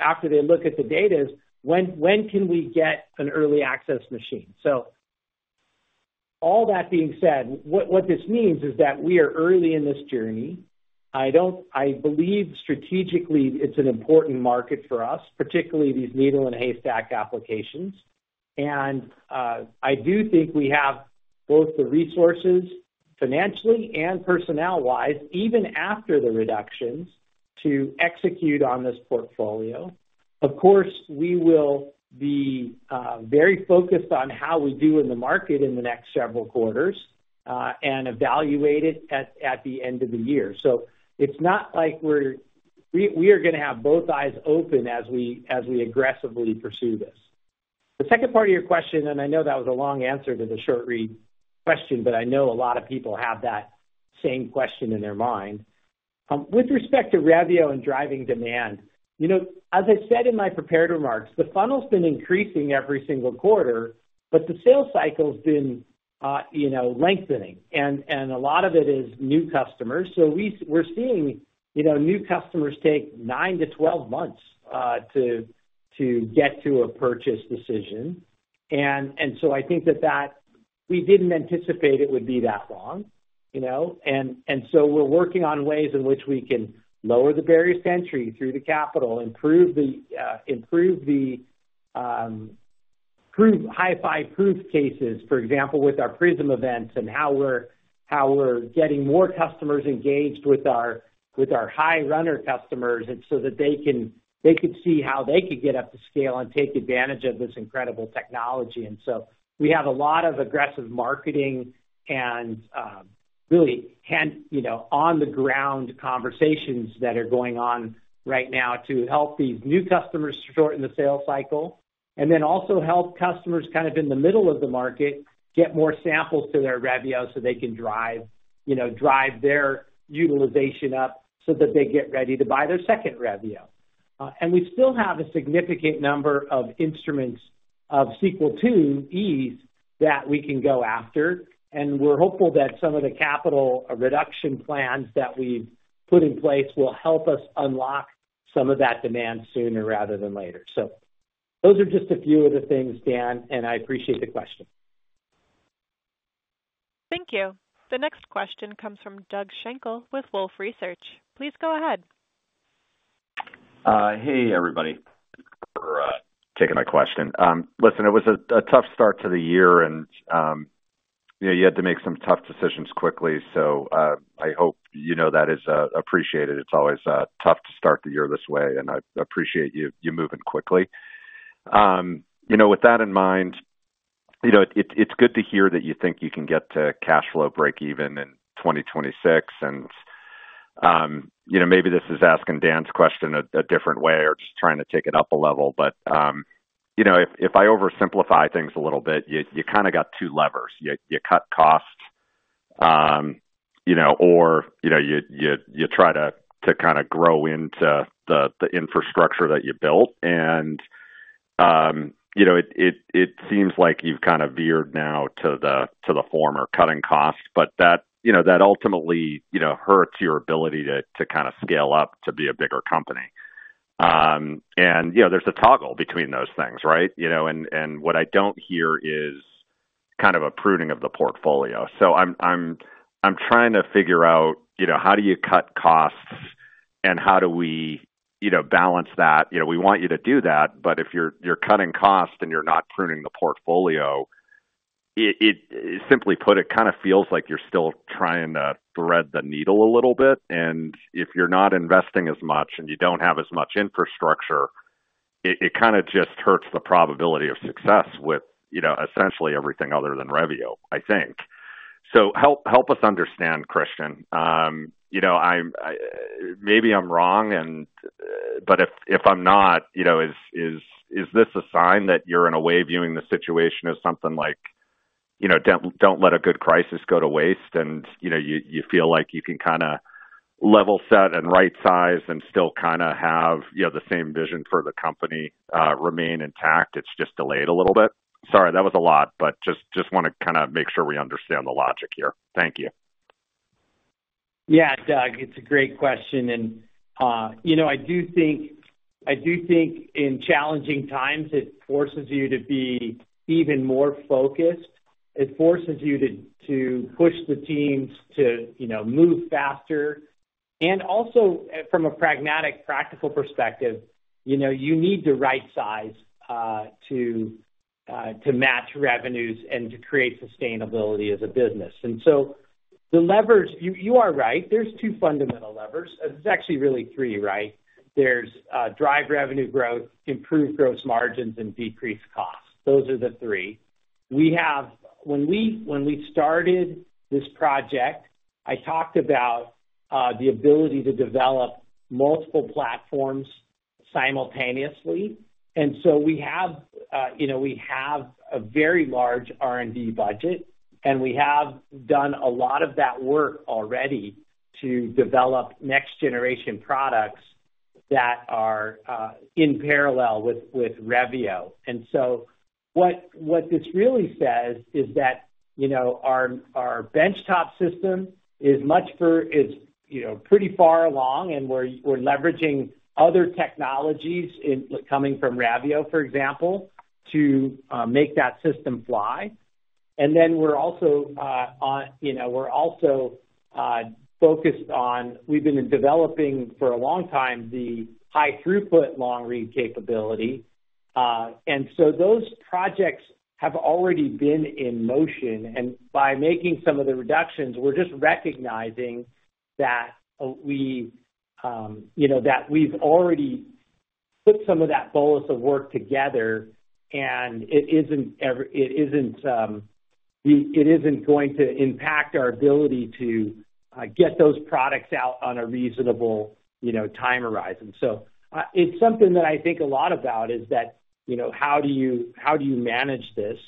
after they look at the data is, "When can we get an early-access machine?" So all that being said, what this means is that we are early in this journey. I believe, strategically, it's an important market for us, particularly these needle and haystack applications. And I do think we have both the resources, financially and personnel-wise, even after the reductions, to execute on this portfolio. Of course, we will be very focused on how we do in the market in the next several quarters and evaluate it at the end of the year. So it's not like we're going to have both eyes open as we aggressively pursue this. The second part of your question, and I know that was a long answer to the short-read question, but I know a lot of people have that same question in their mind. With respect to Revio and driving demand, as I said in my prepared remarks, the funnel's been increasing every single quarter, but the sales cycle's been lengthening. And a lot of it is new customers. So we're seeing new customers take 9-12 months to get to a purchase decision. And so I think that we didn't anticipate it would be that long. And so we're working on ways in which we can lower the barriers to entry through the capital, improve the HiFi proof cases, for example, with our PRISM events and how we're getting more customers engaged with our high-runner customers so that they could see how they could get up to scale and take advantage of this incredible technology. And so we have a lot of aggressive marketing and really hands-on-the-ground conversations that are going on right now to help these new customers shorten the sales cycle and then also help customers kind of in the middle of the market get more samples to their Revio so they can drive their utilization up so that they get ready to buy their second Revio. And we still have a significant number of instruments of Sequel IIe that we can go after. We're hopeful that some of the capital reduction plans that we've put in place will help us unlock some of that demand sooner rather than later. So those are just a few of the things, Dan, and I appreciate the question. Thank you. The next question comes from Doug Schenkel with Wolfe Research. Please go ahead. Hey, everybody. For taking my question. Listen, it was a tough start to the year, and you had to make some tough decisions quickly. So I hope that is appreciated. It's always tough to start the year this way, and I appreciate you moving quickly. With that in mind, it's good to hear that you think you can get to cash flow break-even in 2026. And maybe this is asking Dan's question a different way or just trying to take it up a level. But if I oversimplify things a little bit, you kind of got two levers. You cut costs, or you try to kind of grow into the infrastructure that you built. And it seems like you've kind of veered now to the former, cutting costs. But that ultimately hurts your ability to kind of scale up to be a bigger company. And there's a toggle between those things, right? And what I don't hear is kind of a pruning of the portfolio. So I'm trying to figure out, how do you cut costs, and how do we balance that? We want you to do that, but if you're cutting costs and you're not pruning the portfolio, simply put, it kind of feels like you're still trying to thread the needle a little bit. If you're not investing as much and you don't have as much infrastructure, it kind of just hurts the probability of success with essentially everything other than Revio, I think. Help us understand, Christian. Maybe I'm wrong, but if I'm not, is this a sign that you're, in a way, viewing the situation as something like, "Don't let a good crisis go to waste," and you feel like you can kind of level set and right-size and still kind of have the same vision for the company remain intact? It's just delayed a little bit. Sorry, that was a lot, but just want to kind of make sure we understand the logic here. Thank you. Yeah, Doug, it's a great question. I do think in challenging times, it forces you to be even more focused. It forces you to push the teams to move faster. And also, from a pragmatic, practical perspective, you need to right-size to match revenues and to create sustainability as a business. And so the levers you are right. There's two fundamental levers. There's actually really three, right? There's drive revenue growth, improve gross margins, and decrease costs. Those are the three. When we started this project, I talked about the ability to develop multiple platforms simultaneously. And so we have a very large R&D budget, and we have done a lot of that work already to develop next-generation products that are in parallel with Revio. And so what this really says is that our benchtop system is pretty far along, and we're leveraging other technologies coming from Revio, for example, to make that system fly. And then we're also focused on. We've been developing for a long time the high-throughput long-read capability. So those projects have already been in motion. By making some of the reductions, we're just recognizing that we've already put some of that bolus of work together, and it isn't going to impact our ability to get those products out on a reasonable time horizon. So it's something that I think a lot about is that, "How do you manage this?"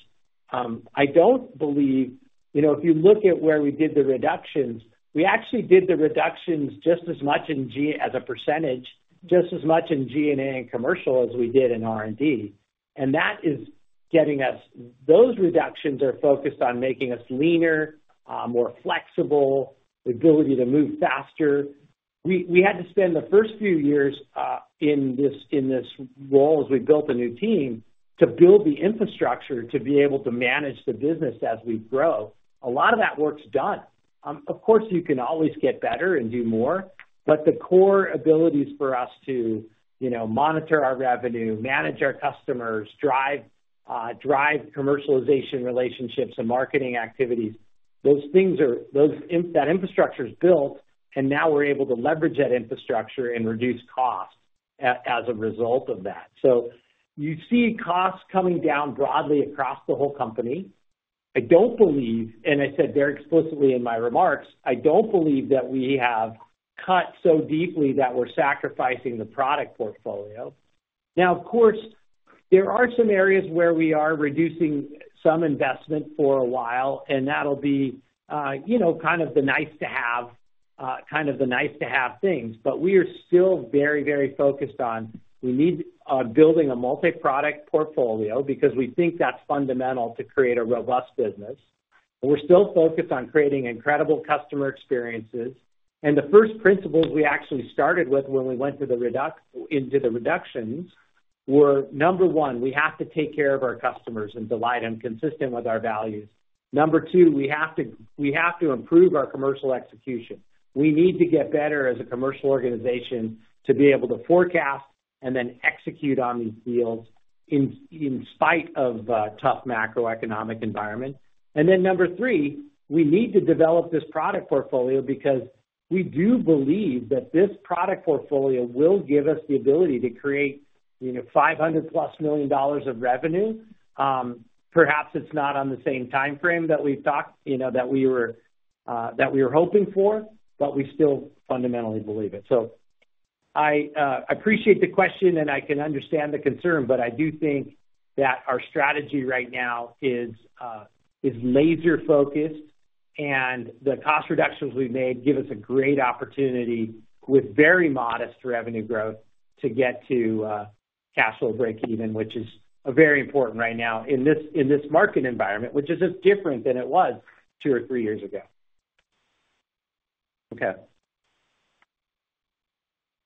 I don't believe if you look at where we did the reductions, we actually did the reductions just as much in as a percentage, just as much in G&A and commercial as we did in R&D. And that is getting us, those reductions are focused on making us leaner, more flexible, the ability to move faster. We had to spend the first few years in this role as we built a new team to build the infrastructure to be able to manage the business as we grow. A lot of that work's done. Of course, you can always get better and do more, but the core abilities for us to monitor our revenue, manage our customers, drive commercialization relationships and marketing activities, those things are that infrastructure's built, and now we're able to leverage that infrastructure and reduce costs as a result of that. So you see costs coming down broadly across the whole company. And I said very explicitly in my remarks, "I don't believe that we have cut so deeply that we're sacrificing the product portfolio." Now, of course, there are some areas where we are reducing some investment for a while, and that'll be kind of the nice-to-have kind of the nice-to-have things. But we are still very, very focused on we need building a multi-product portfolio because we think that's fundamental to create a robust business. We're still focused on creating incredible customer experiences. And the first principles we actually started with when we went into the reductions were, number one, we have to take care of our customers and delight them consistent with our values. Number two, we have to improve our commercial execution. We need to get better as a commercial organization to be able to forecast and then execute on these deals in spite of a tough macroeconomic environment. And then number three, we need to develop this product portfolio because we do believe that this product portfolio will give us the ability to create $500+ million of revenue. Perhaps it's not on the same time frame that we've talked that we were hoping for, but we still fundamentally believe it. So I appreciate the question, and I can understand the concern, but I do think that our strategy right now is laser-focused, and the cost reductions we've made give us a great opportunity with very modest revenue growth to get to cash flow break-even, which is very important right now in this market environment, which is just different than it was two or three years ago. Okay.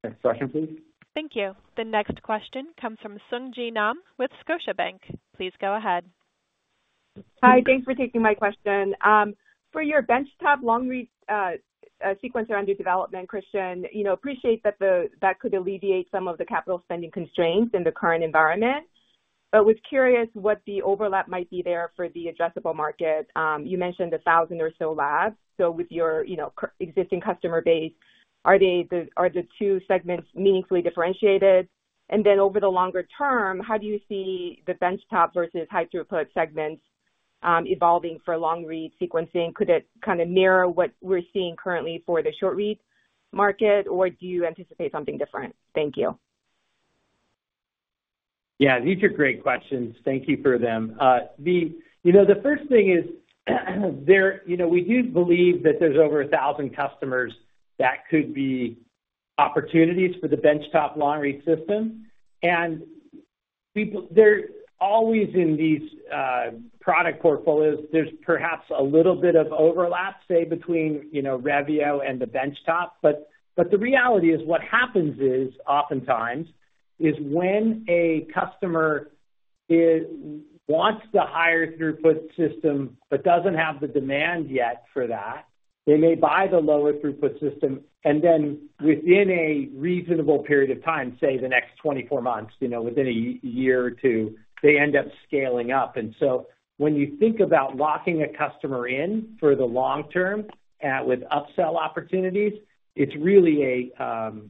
Next question, please. Thank you. The next question comes from Sung Ji Nam with Scotiabank. Please go ahead. Hi. Thanks for taking my question. For your benchtop long-read sequencer under development, Christian, appreciate that that could alleviate some of the capital spending constraints in the current environment, but was curious what the overlap might be there for the addressable market. You mentioned 1,000 or so labs. So with your existing customer base, are the two segments meaningfully differentiated? And then over the longer term, how do you see the benchtop versus high-throughput segments evolving for long-read sequencing? Could it kind of mirror what we're seeing currently for the short-read market, or do you anticipate something different? Thank you. Yeah, these are great questions. Thank you for them. The first thing is, we do believe that there's over 1,000 customers that could be opportunities for the benchtop long-read system. And they're always in these product portfolios. There's perhaps a little bit of overlap, say, between Revio and the benchtop. But the reality is what happens oftentimes is when a customer wants the higher-throughput system but doesn't have the demand yet for that, they may buy the lower-throughput system. Then within a reasonable period of time, say, the next 24 months, within a year or two, they end up scaling up. So when you think about locking a customer in for the long term with upsell opportunities, it's really a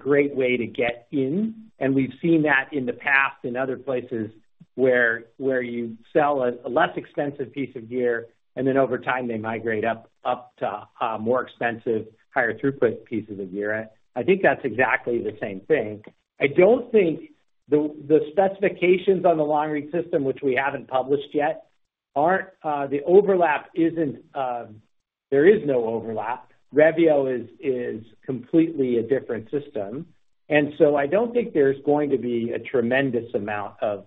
great way to get in. We've seen that in the past in other places where you sell a less expensive piece of gear, and then over time, they migrate up to more expensive, higher-throughput pieces of gear. I think that's exactly the same thing. I don't think the specifications on the long-read system, which we haven't published yet, aren't. The overlap isn't there. There is no overlap. Revio is completely a different system. So I don't think there's going to be a tremendous amount of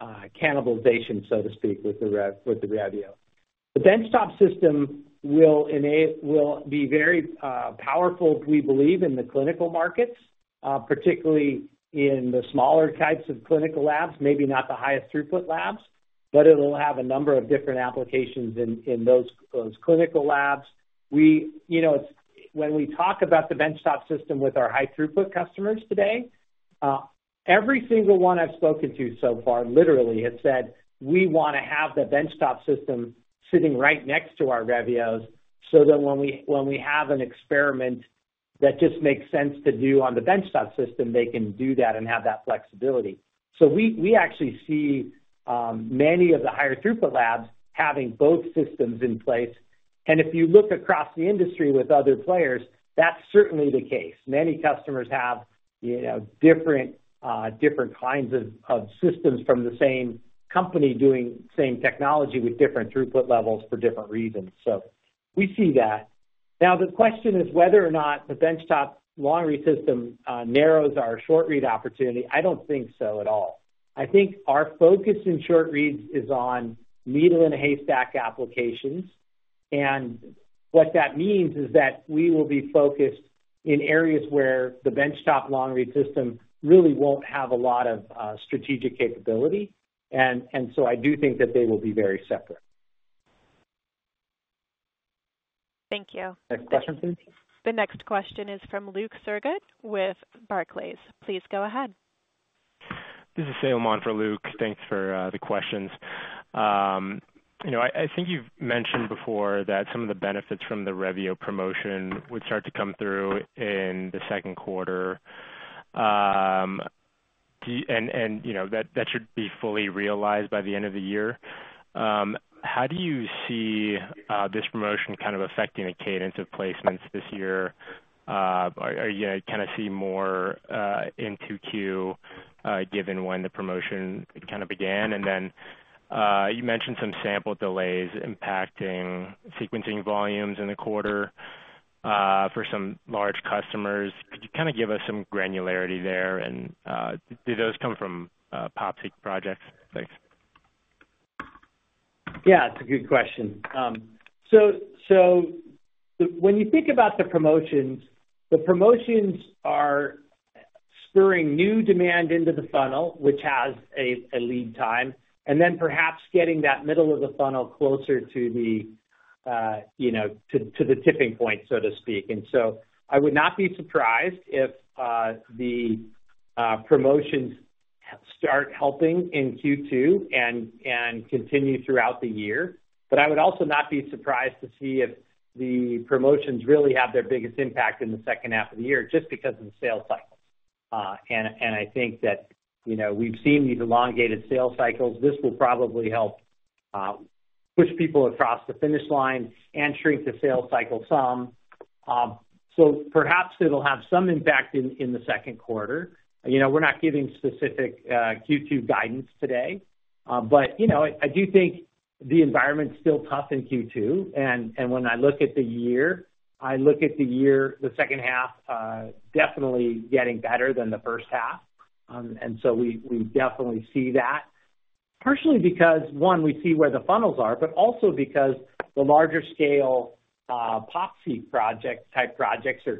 cannibalization, so to speak, with the Revio. The benchtop system will be very powerful, we believe, in the clinical markets, particularly in the smaller types of clinical labs, maybe not the highest-throughput labs, but it'll have a number of different applications in those clinical labs. When we talk about the benchtop system with our high-throughput customers today, every single one I've spoken to so far literally has said, "We want to have the benchtop system sitting right next to our Revios so that when we have an experiment that just makes sense to do on the benchtop system, they can do that and have that flexibility." So we actually see many of the higher-throughput labs having both systems in place. And if you look across the industry with other players, that's certainly the case. Many customers have different kinds of systems from the same company doing same technology with different throughput levels for different reasons. So we see that. Now, the question is whether or not the benchtop long-read system narrows our short-read opportunity. I don't think so at all. I think our focus in short reads is on needle-in-a-haystack applications. And what that means is that we will be focused in areas where the benchtop long-read system really won't have a lot of strategic capability. And so I do think that they will be very separate. Thank you. Next question, please. The next question is from Luke Sergott with Barclays. Please go ahead. This is Salman for Luke. Thanks for the questions. I think you've mentioned before that some of the benefits from the Revio promotion would start to come through in the second quarter, and that should be fully realized by the end of the year. How do you see this promotion kind of affecting the cadence of placements this year? Are you going to kind of see more in 2Q given when the promotion kind of began? And then you mentioned some sample delays impacting sequencing volumes in the quarter for some large customers. Could you kind of give us some granularity there? And do those come from PopSeq projects? Thanks. Yeah, it's a good question. So when you think about the promotions, the promotions are spurring new demand into the funnel, which has a lead time, and then perhaps getting that middle of the funnel closer to the tipping point, so to speak. And so I would not be surprised if the promotions start helping in Q2 and continue throughout the year. But I would also not be surprised to see if the promotions really have their biggest impact in the second half of the year just because of the sales cycles. I think that we've seen these elongated sales cycles. This will probably help push people across the finish line and shrink the sales cycle some. Perhaps it'll have some impact in the second quarter. We're not giving specific Q2 guidance today, but I do think the environment's still tough in Q2. When I look at the year, the second half definitely getting better than the first half. We definitely see that partially because, one, we see where the funnels are, but also because the larger-scale PopSeq type projects they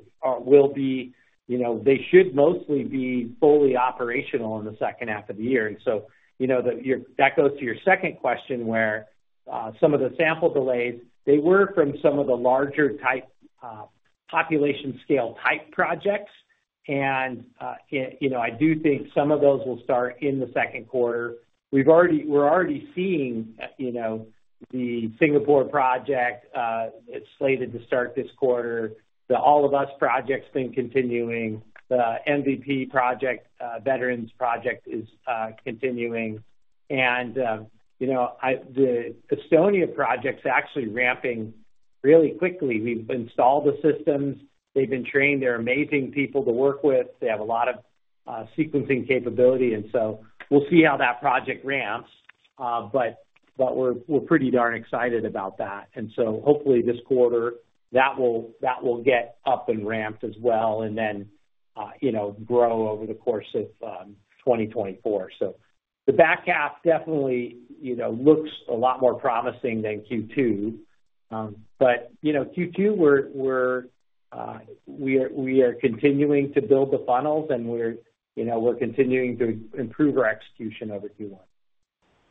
should mostly be fully operational in the second half of the year. That goes to your second question where some of the sample delays, they were from some of the larger-type population-scale type projects. I do think some of those will start in the second quarter. We're already seeing the Singapore project. It's slated to start this quarter. The All of Us project's been continuing. The MVP project, Veterans project, is continuing. The Estonia project's actually ramping really quickly. We've installed the systems. They've been trained. They're amazing people to work with. They have a lot of sequencing capability. So we'll see how that project ramps. But we're pretty darn excited about that. Hopefully, this quarter, that will get up and ramped as well and then grow over the course of 2024. The back half definitely looks a lot more promising than Q2. But Q2, we are continuing to build the funnels, and we're continuing to improve our execution over Q1.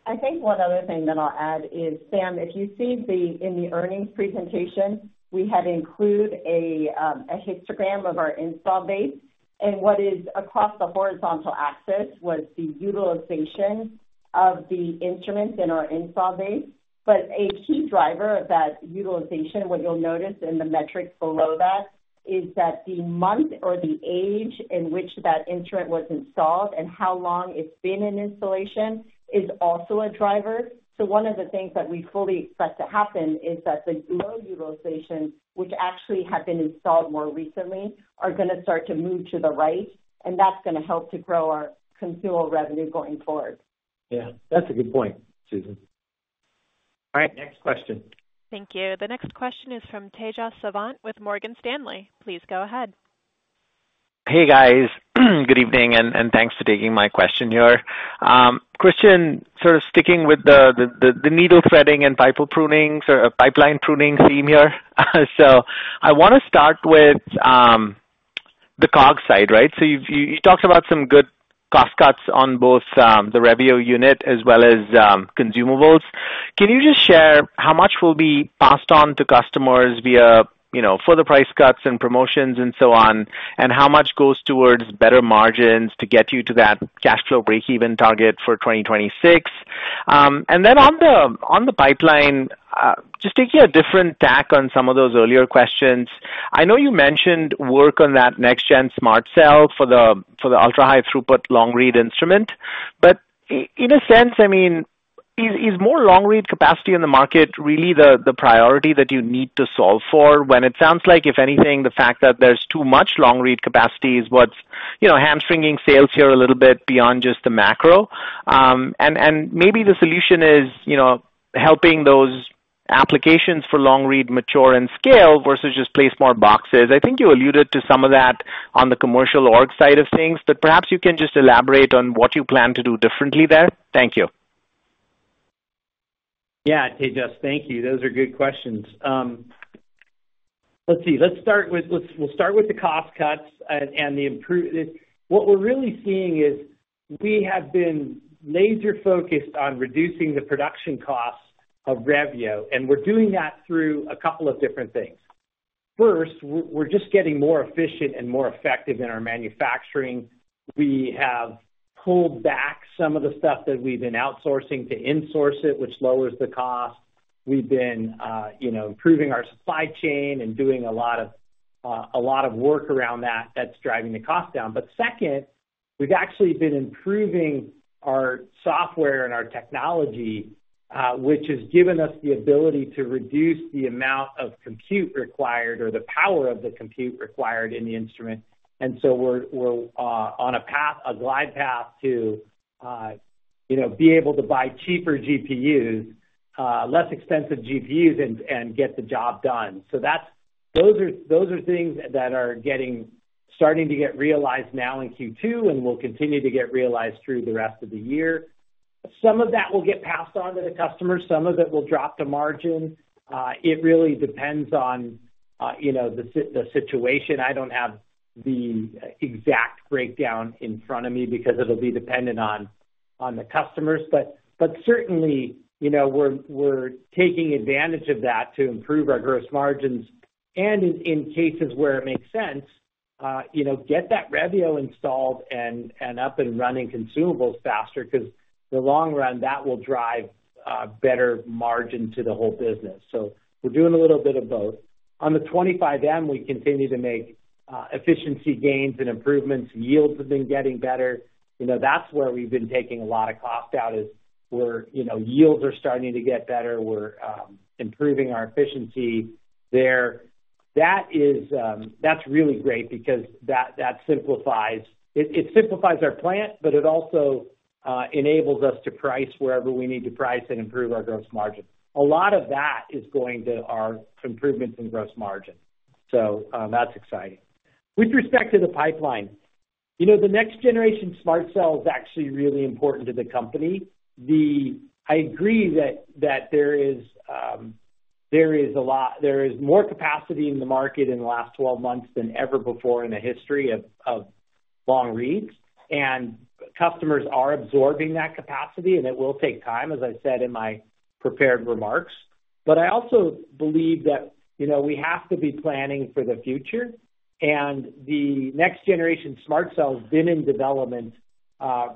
I think one other thing that I'll add is, Sam, if you see in the earnings presentation, we have included a histogram of our installed base. What is across the horizontal axis was the utilization of the instruments in our install base. A key driver of that utilization, what you'll notice in the metrics below that, is that the month or the age in which that instrument was installed and how long it's been in installation is also a driver. One of the things that we fully expect to happen is that the low utilization, which actually have been installed more recently, are going to start to move to the right. That's going to help to grow our consumable revenue going forward. Yeah, that's a good point, Susan. All right. Next question. Thank you. The next question is from Tejas Savant with Morgan Stanley. Please go ahead. Hey, guys. Good evening, and thanks for taking my question here. Christian, sort of sticking with the needle threading and pipeline pruning theme here. So I want to start with the COGS side, right? So you talked about some good cost cuts on both the Revio unit as well as consumables. Can you just share how much will be passed on to customers via further price cuts and promotions and so on, and how much goes towards better margins to get you to that cash flow break-even target for 2026? And then on the pipeline, just taking a different tack on some of those earlier questions, I know you mentioned work on that next-gen SMRT Cell for the ultra-high-throughput long-read instrument. But in a sense, I mean, is more long-read capacity in the market really the priority that you need to solve for? When it sounds like, if anything, the fact that there's too much long-read capacity is what's hamstringing sales here a little bit beyond just the macro. Maybe the solution is helping those applications for long-read mature and scale versus just place more boxes. I think you alluded to some of that on the commercial org side of things, but perhaps you can just elaborate on what you plan to do differently there. Thank you. Yeah, Tejas, thank you. Those are good questions. Let's see. We'll start with the cost cuts and the improvements. What we're really seeing is we have been laser-focused on reducing the production costs of Revio, and we're doing that through a couple of different things. First, we're just getting more efficient and more effective in our manufacturing. We have pulled back some of the stuff that we've been outsourcing to insource it, which lowers the cost. We've been improving our supply chain and doing a lot of work around that that's driving the cost down. But second, we've actually been improving our software and our technology, which has given us the ability to reduce the amount of compute required or the power of the compute required in the instrument. And so we're on a glide path to be able to buy cheaper GPUs, less expensive GPUs, and get the job done. So those are things that are starting to get realized now in Q2 and will continue to get realized through the rest of the year. Some of that will get passed on to the customers. Some of it will drop to margin. It really depends on the situation. I don't have the exact breakdown in front of me because it'll be dependent on the customers. But certainly, we're taking advantage of that to improve our gross margins. In cases where it makes sense, get that Revio installed and up and running consumables faster because in the long run, that will drive better margin to the whole business. So we're doing a little bit of both. On the 25M, we continue to make efficiency gains and improvements. Yields have been getting better. That's where we've been taking a lot of cost out is where yields are starting to get better. We're improving our efficiency there. That's really great because that simplifies it simplifies our plant, but it also enables us to price wherever we need to price and improve our gross margin. A lot of that is going to our improvements in gross margin. So that's exciting. With respect to the pipeline, the next-generation SMRT Cell is actually really important to the company. I agree that there is more capacity in the market in the last 12 months than ever before in the history of long reads. Customers are absorbing that capacity, and it will take time, as I said in my prepared remarks. But I also believe that we have to be planning for the future. The next-generation SMRT Cell has been in development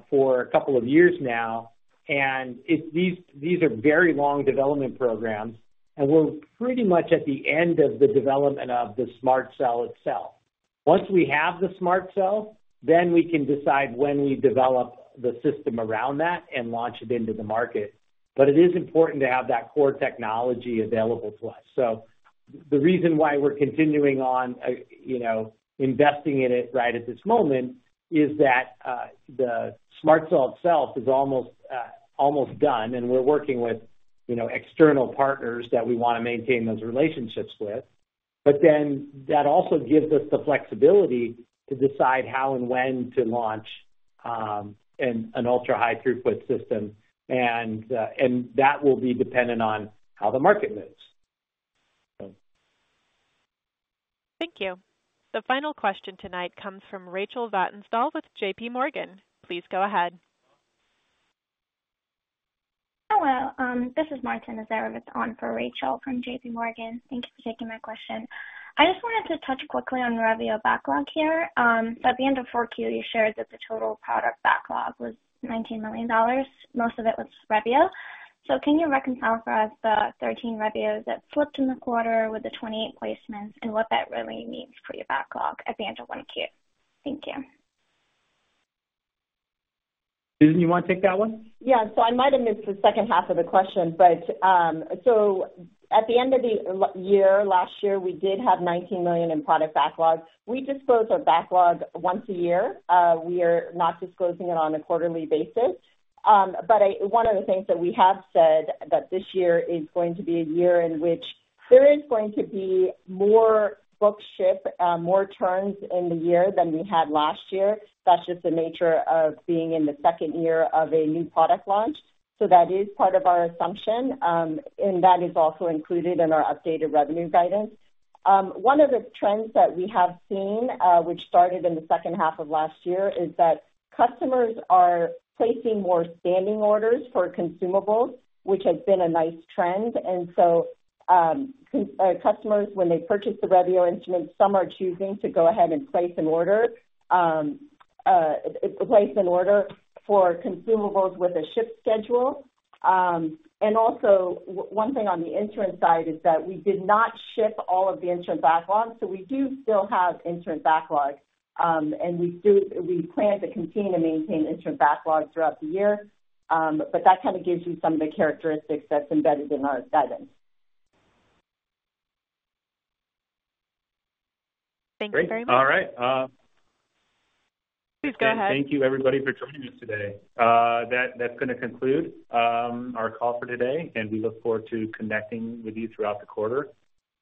for a couple of years now. These are very long development programs. We're pretty much at the end of the development of the SMRT Cell itself. Once we have the SMRT Cell, then we can decide when we develop the system around that and launch it into the market. But it is important to have that core technology available to us. So the reason why we're continuing on investing in it right at this moment is that the SMRT Cell itself is almost done, and we're working with external partners that we want to maintain those relationships with. But then that also gives us the flexibility to decide how and when to launch an ultra-high-throughput system. And that will be dependent on how the market moves. Thank you. The final question tonight comes from Rachel Vatnsdal with JPMorgan. Please go ahead. Hello. This is Martin on for Rachel from JPMorgan. Thank you for taking my question. I just wanted to touch quickly on Revio backlog here. So at the end of Q4, you shared that the total product backlog was $19 million. Most of it was Revio. So can you reconcile for us the 13 Revios that flipped in the quarter with the 28 placements and what that really means for your backlog at the end of Q1? Thank you. Susan, you want to take that one? Yeah. So I might have missed the second half of the question. So at the end of the year last year, we did have $19 million in product backlog. We disclose of backlog once a year. We are not disclosing it on a quarterly basis. But one of the things that we have said that this year is going to be a year in which there is going to be more book-to-ship, more turns in the year than we had last year. That's just the nature of being in the second year of a new product launch. So that is part of our assumption, and that is also included in our updated revenue guidance. One of the trends that we have seen, which started in the second half of last year, is that customers are placing more standing orders for consumables, which has been a nice trend. And so customers, when they purchase the Revio instrument, some are choosing to go ahead and place an order for consumables with a ship schedule. And also, one thing on the instrument side is that we did not ship all of the instrument backlog. So we do still have instrument backlog, and we plan to continue to maintain instrument backlog throughout the year. But that kind of gives you some of the characteristics that's embedded in our guidance. Thank you very much. Great. All right. Please go ahead. Thank you, everybody, for joining us today. That's going to conclude our call for today, and we look forward to connecting with you throughout the quarter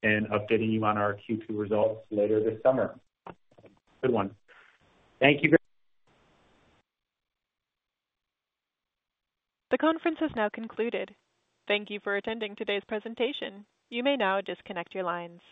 and updating you on our Q2 results later this summer. Good one. Thank you very much. The conference has now concluded. Thank you for attending today's presentation. You may now disconnect your lines.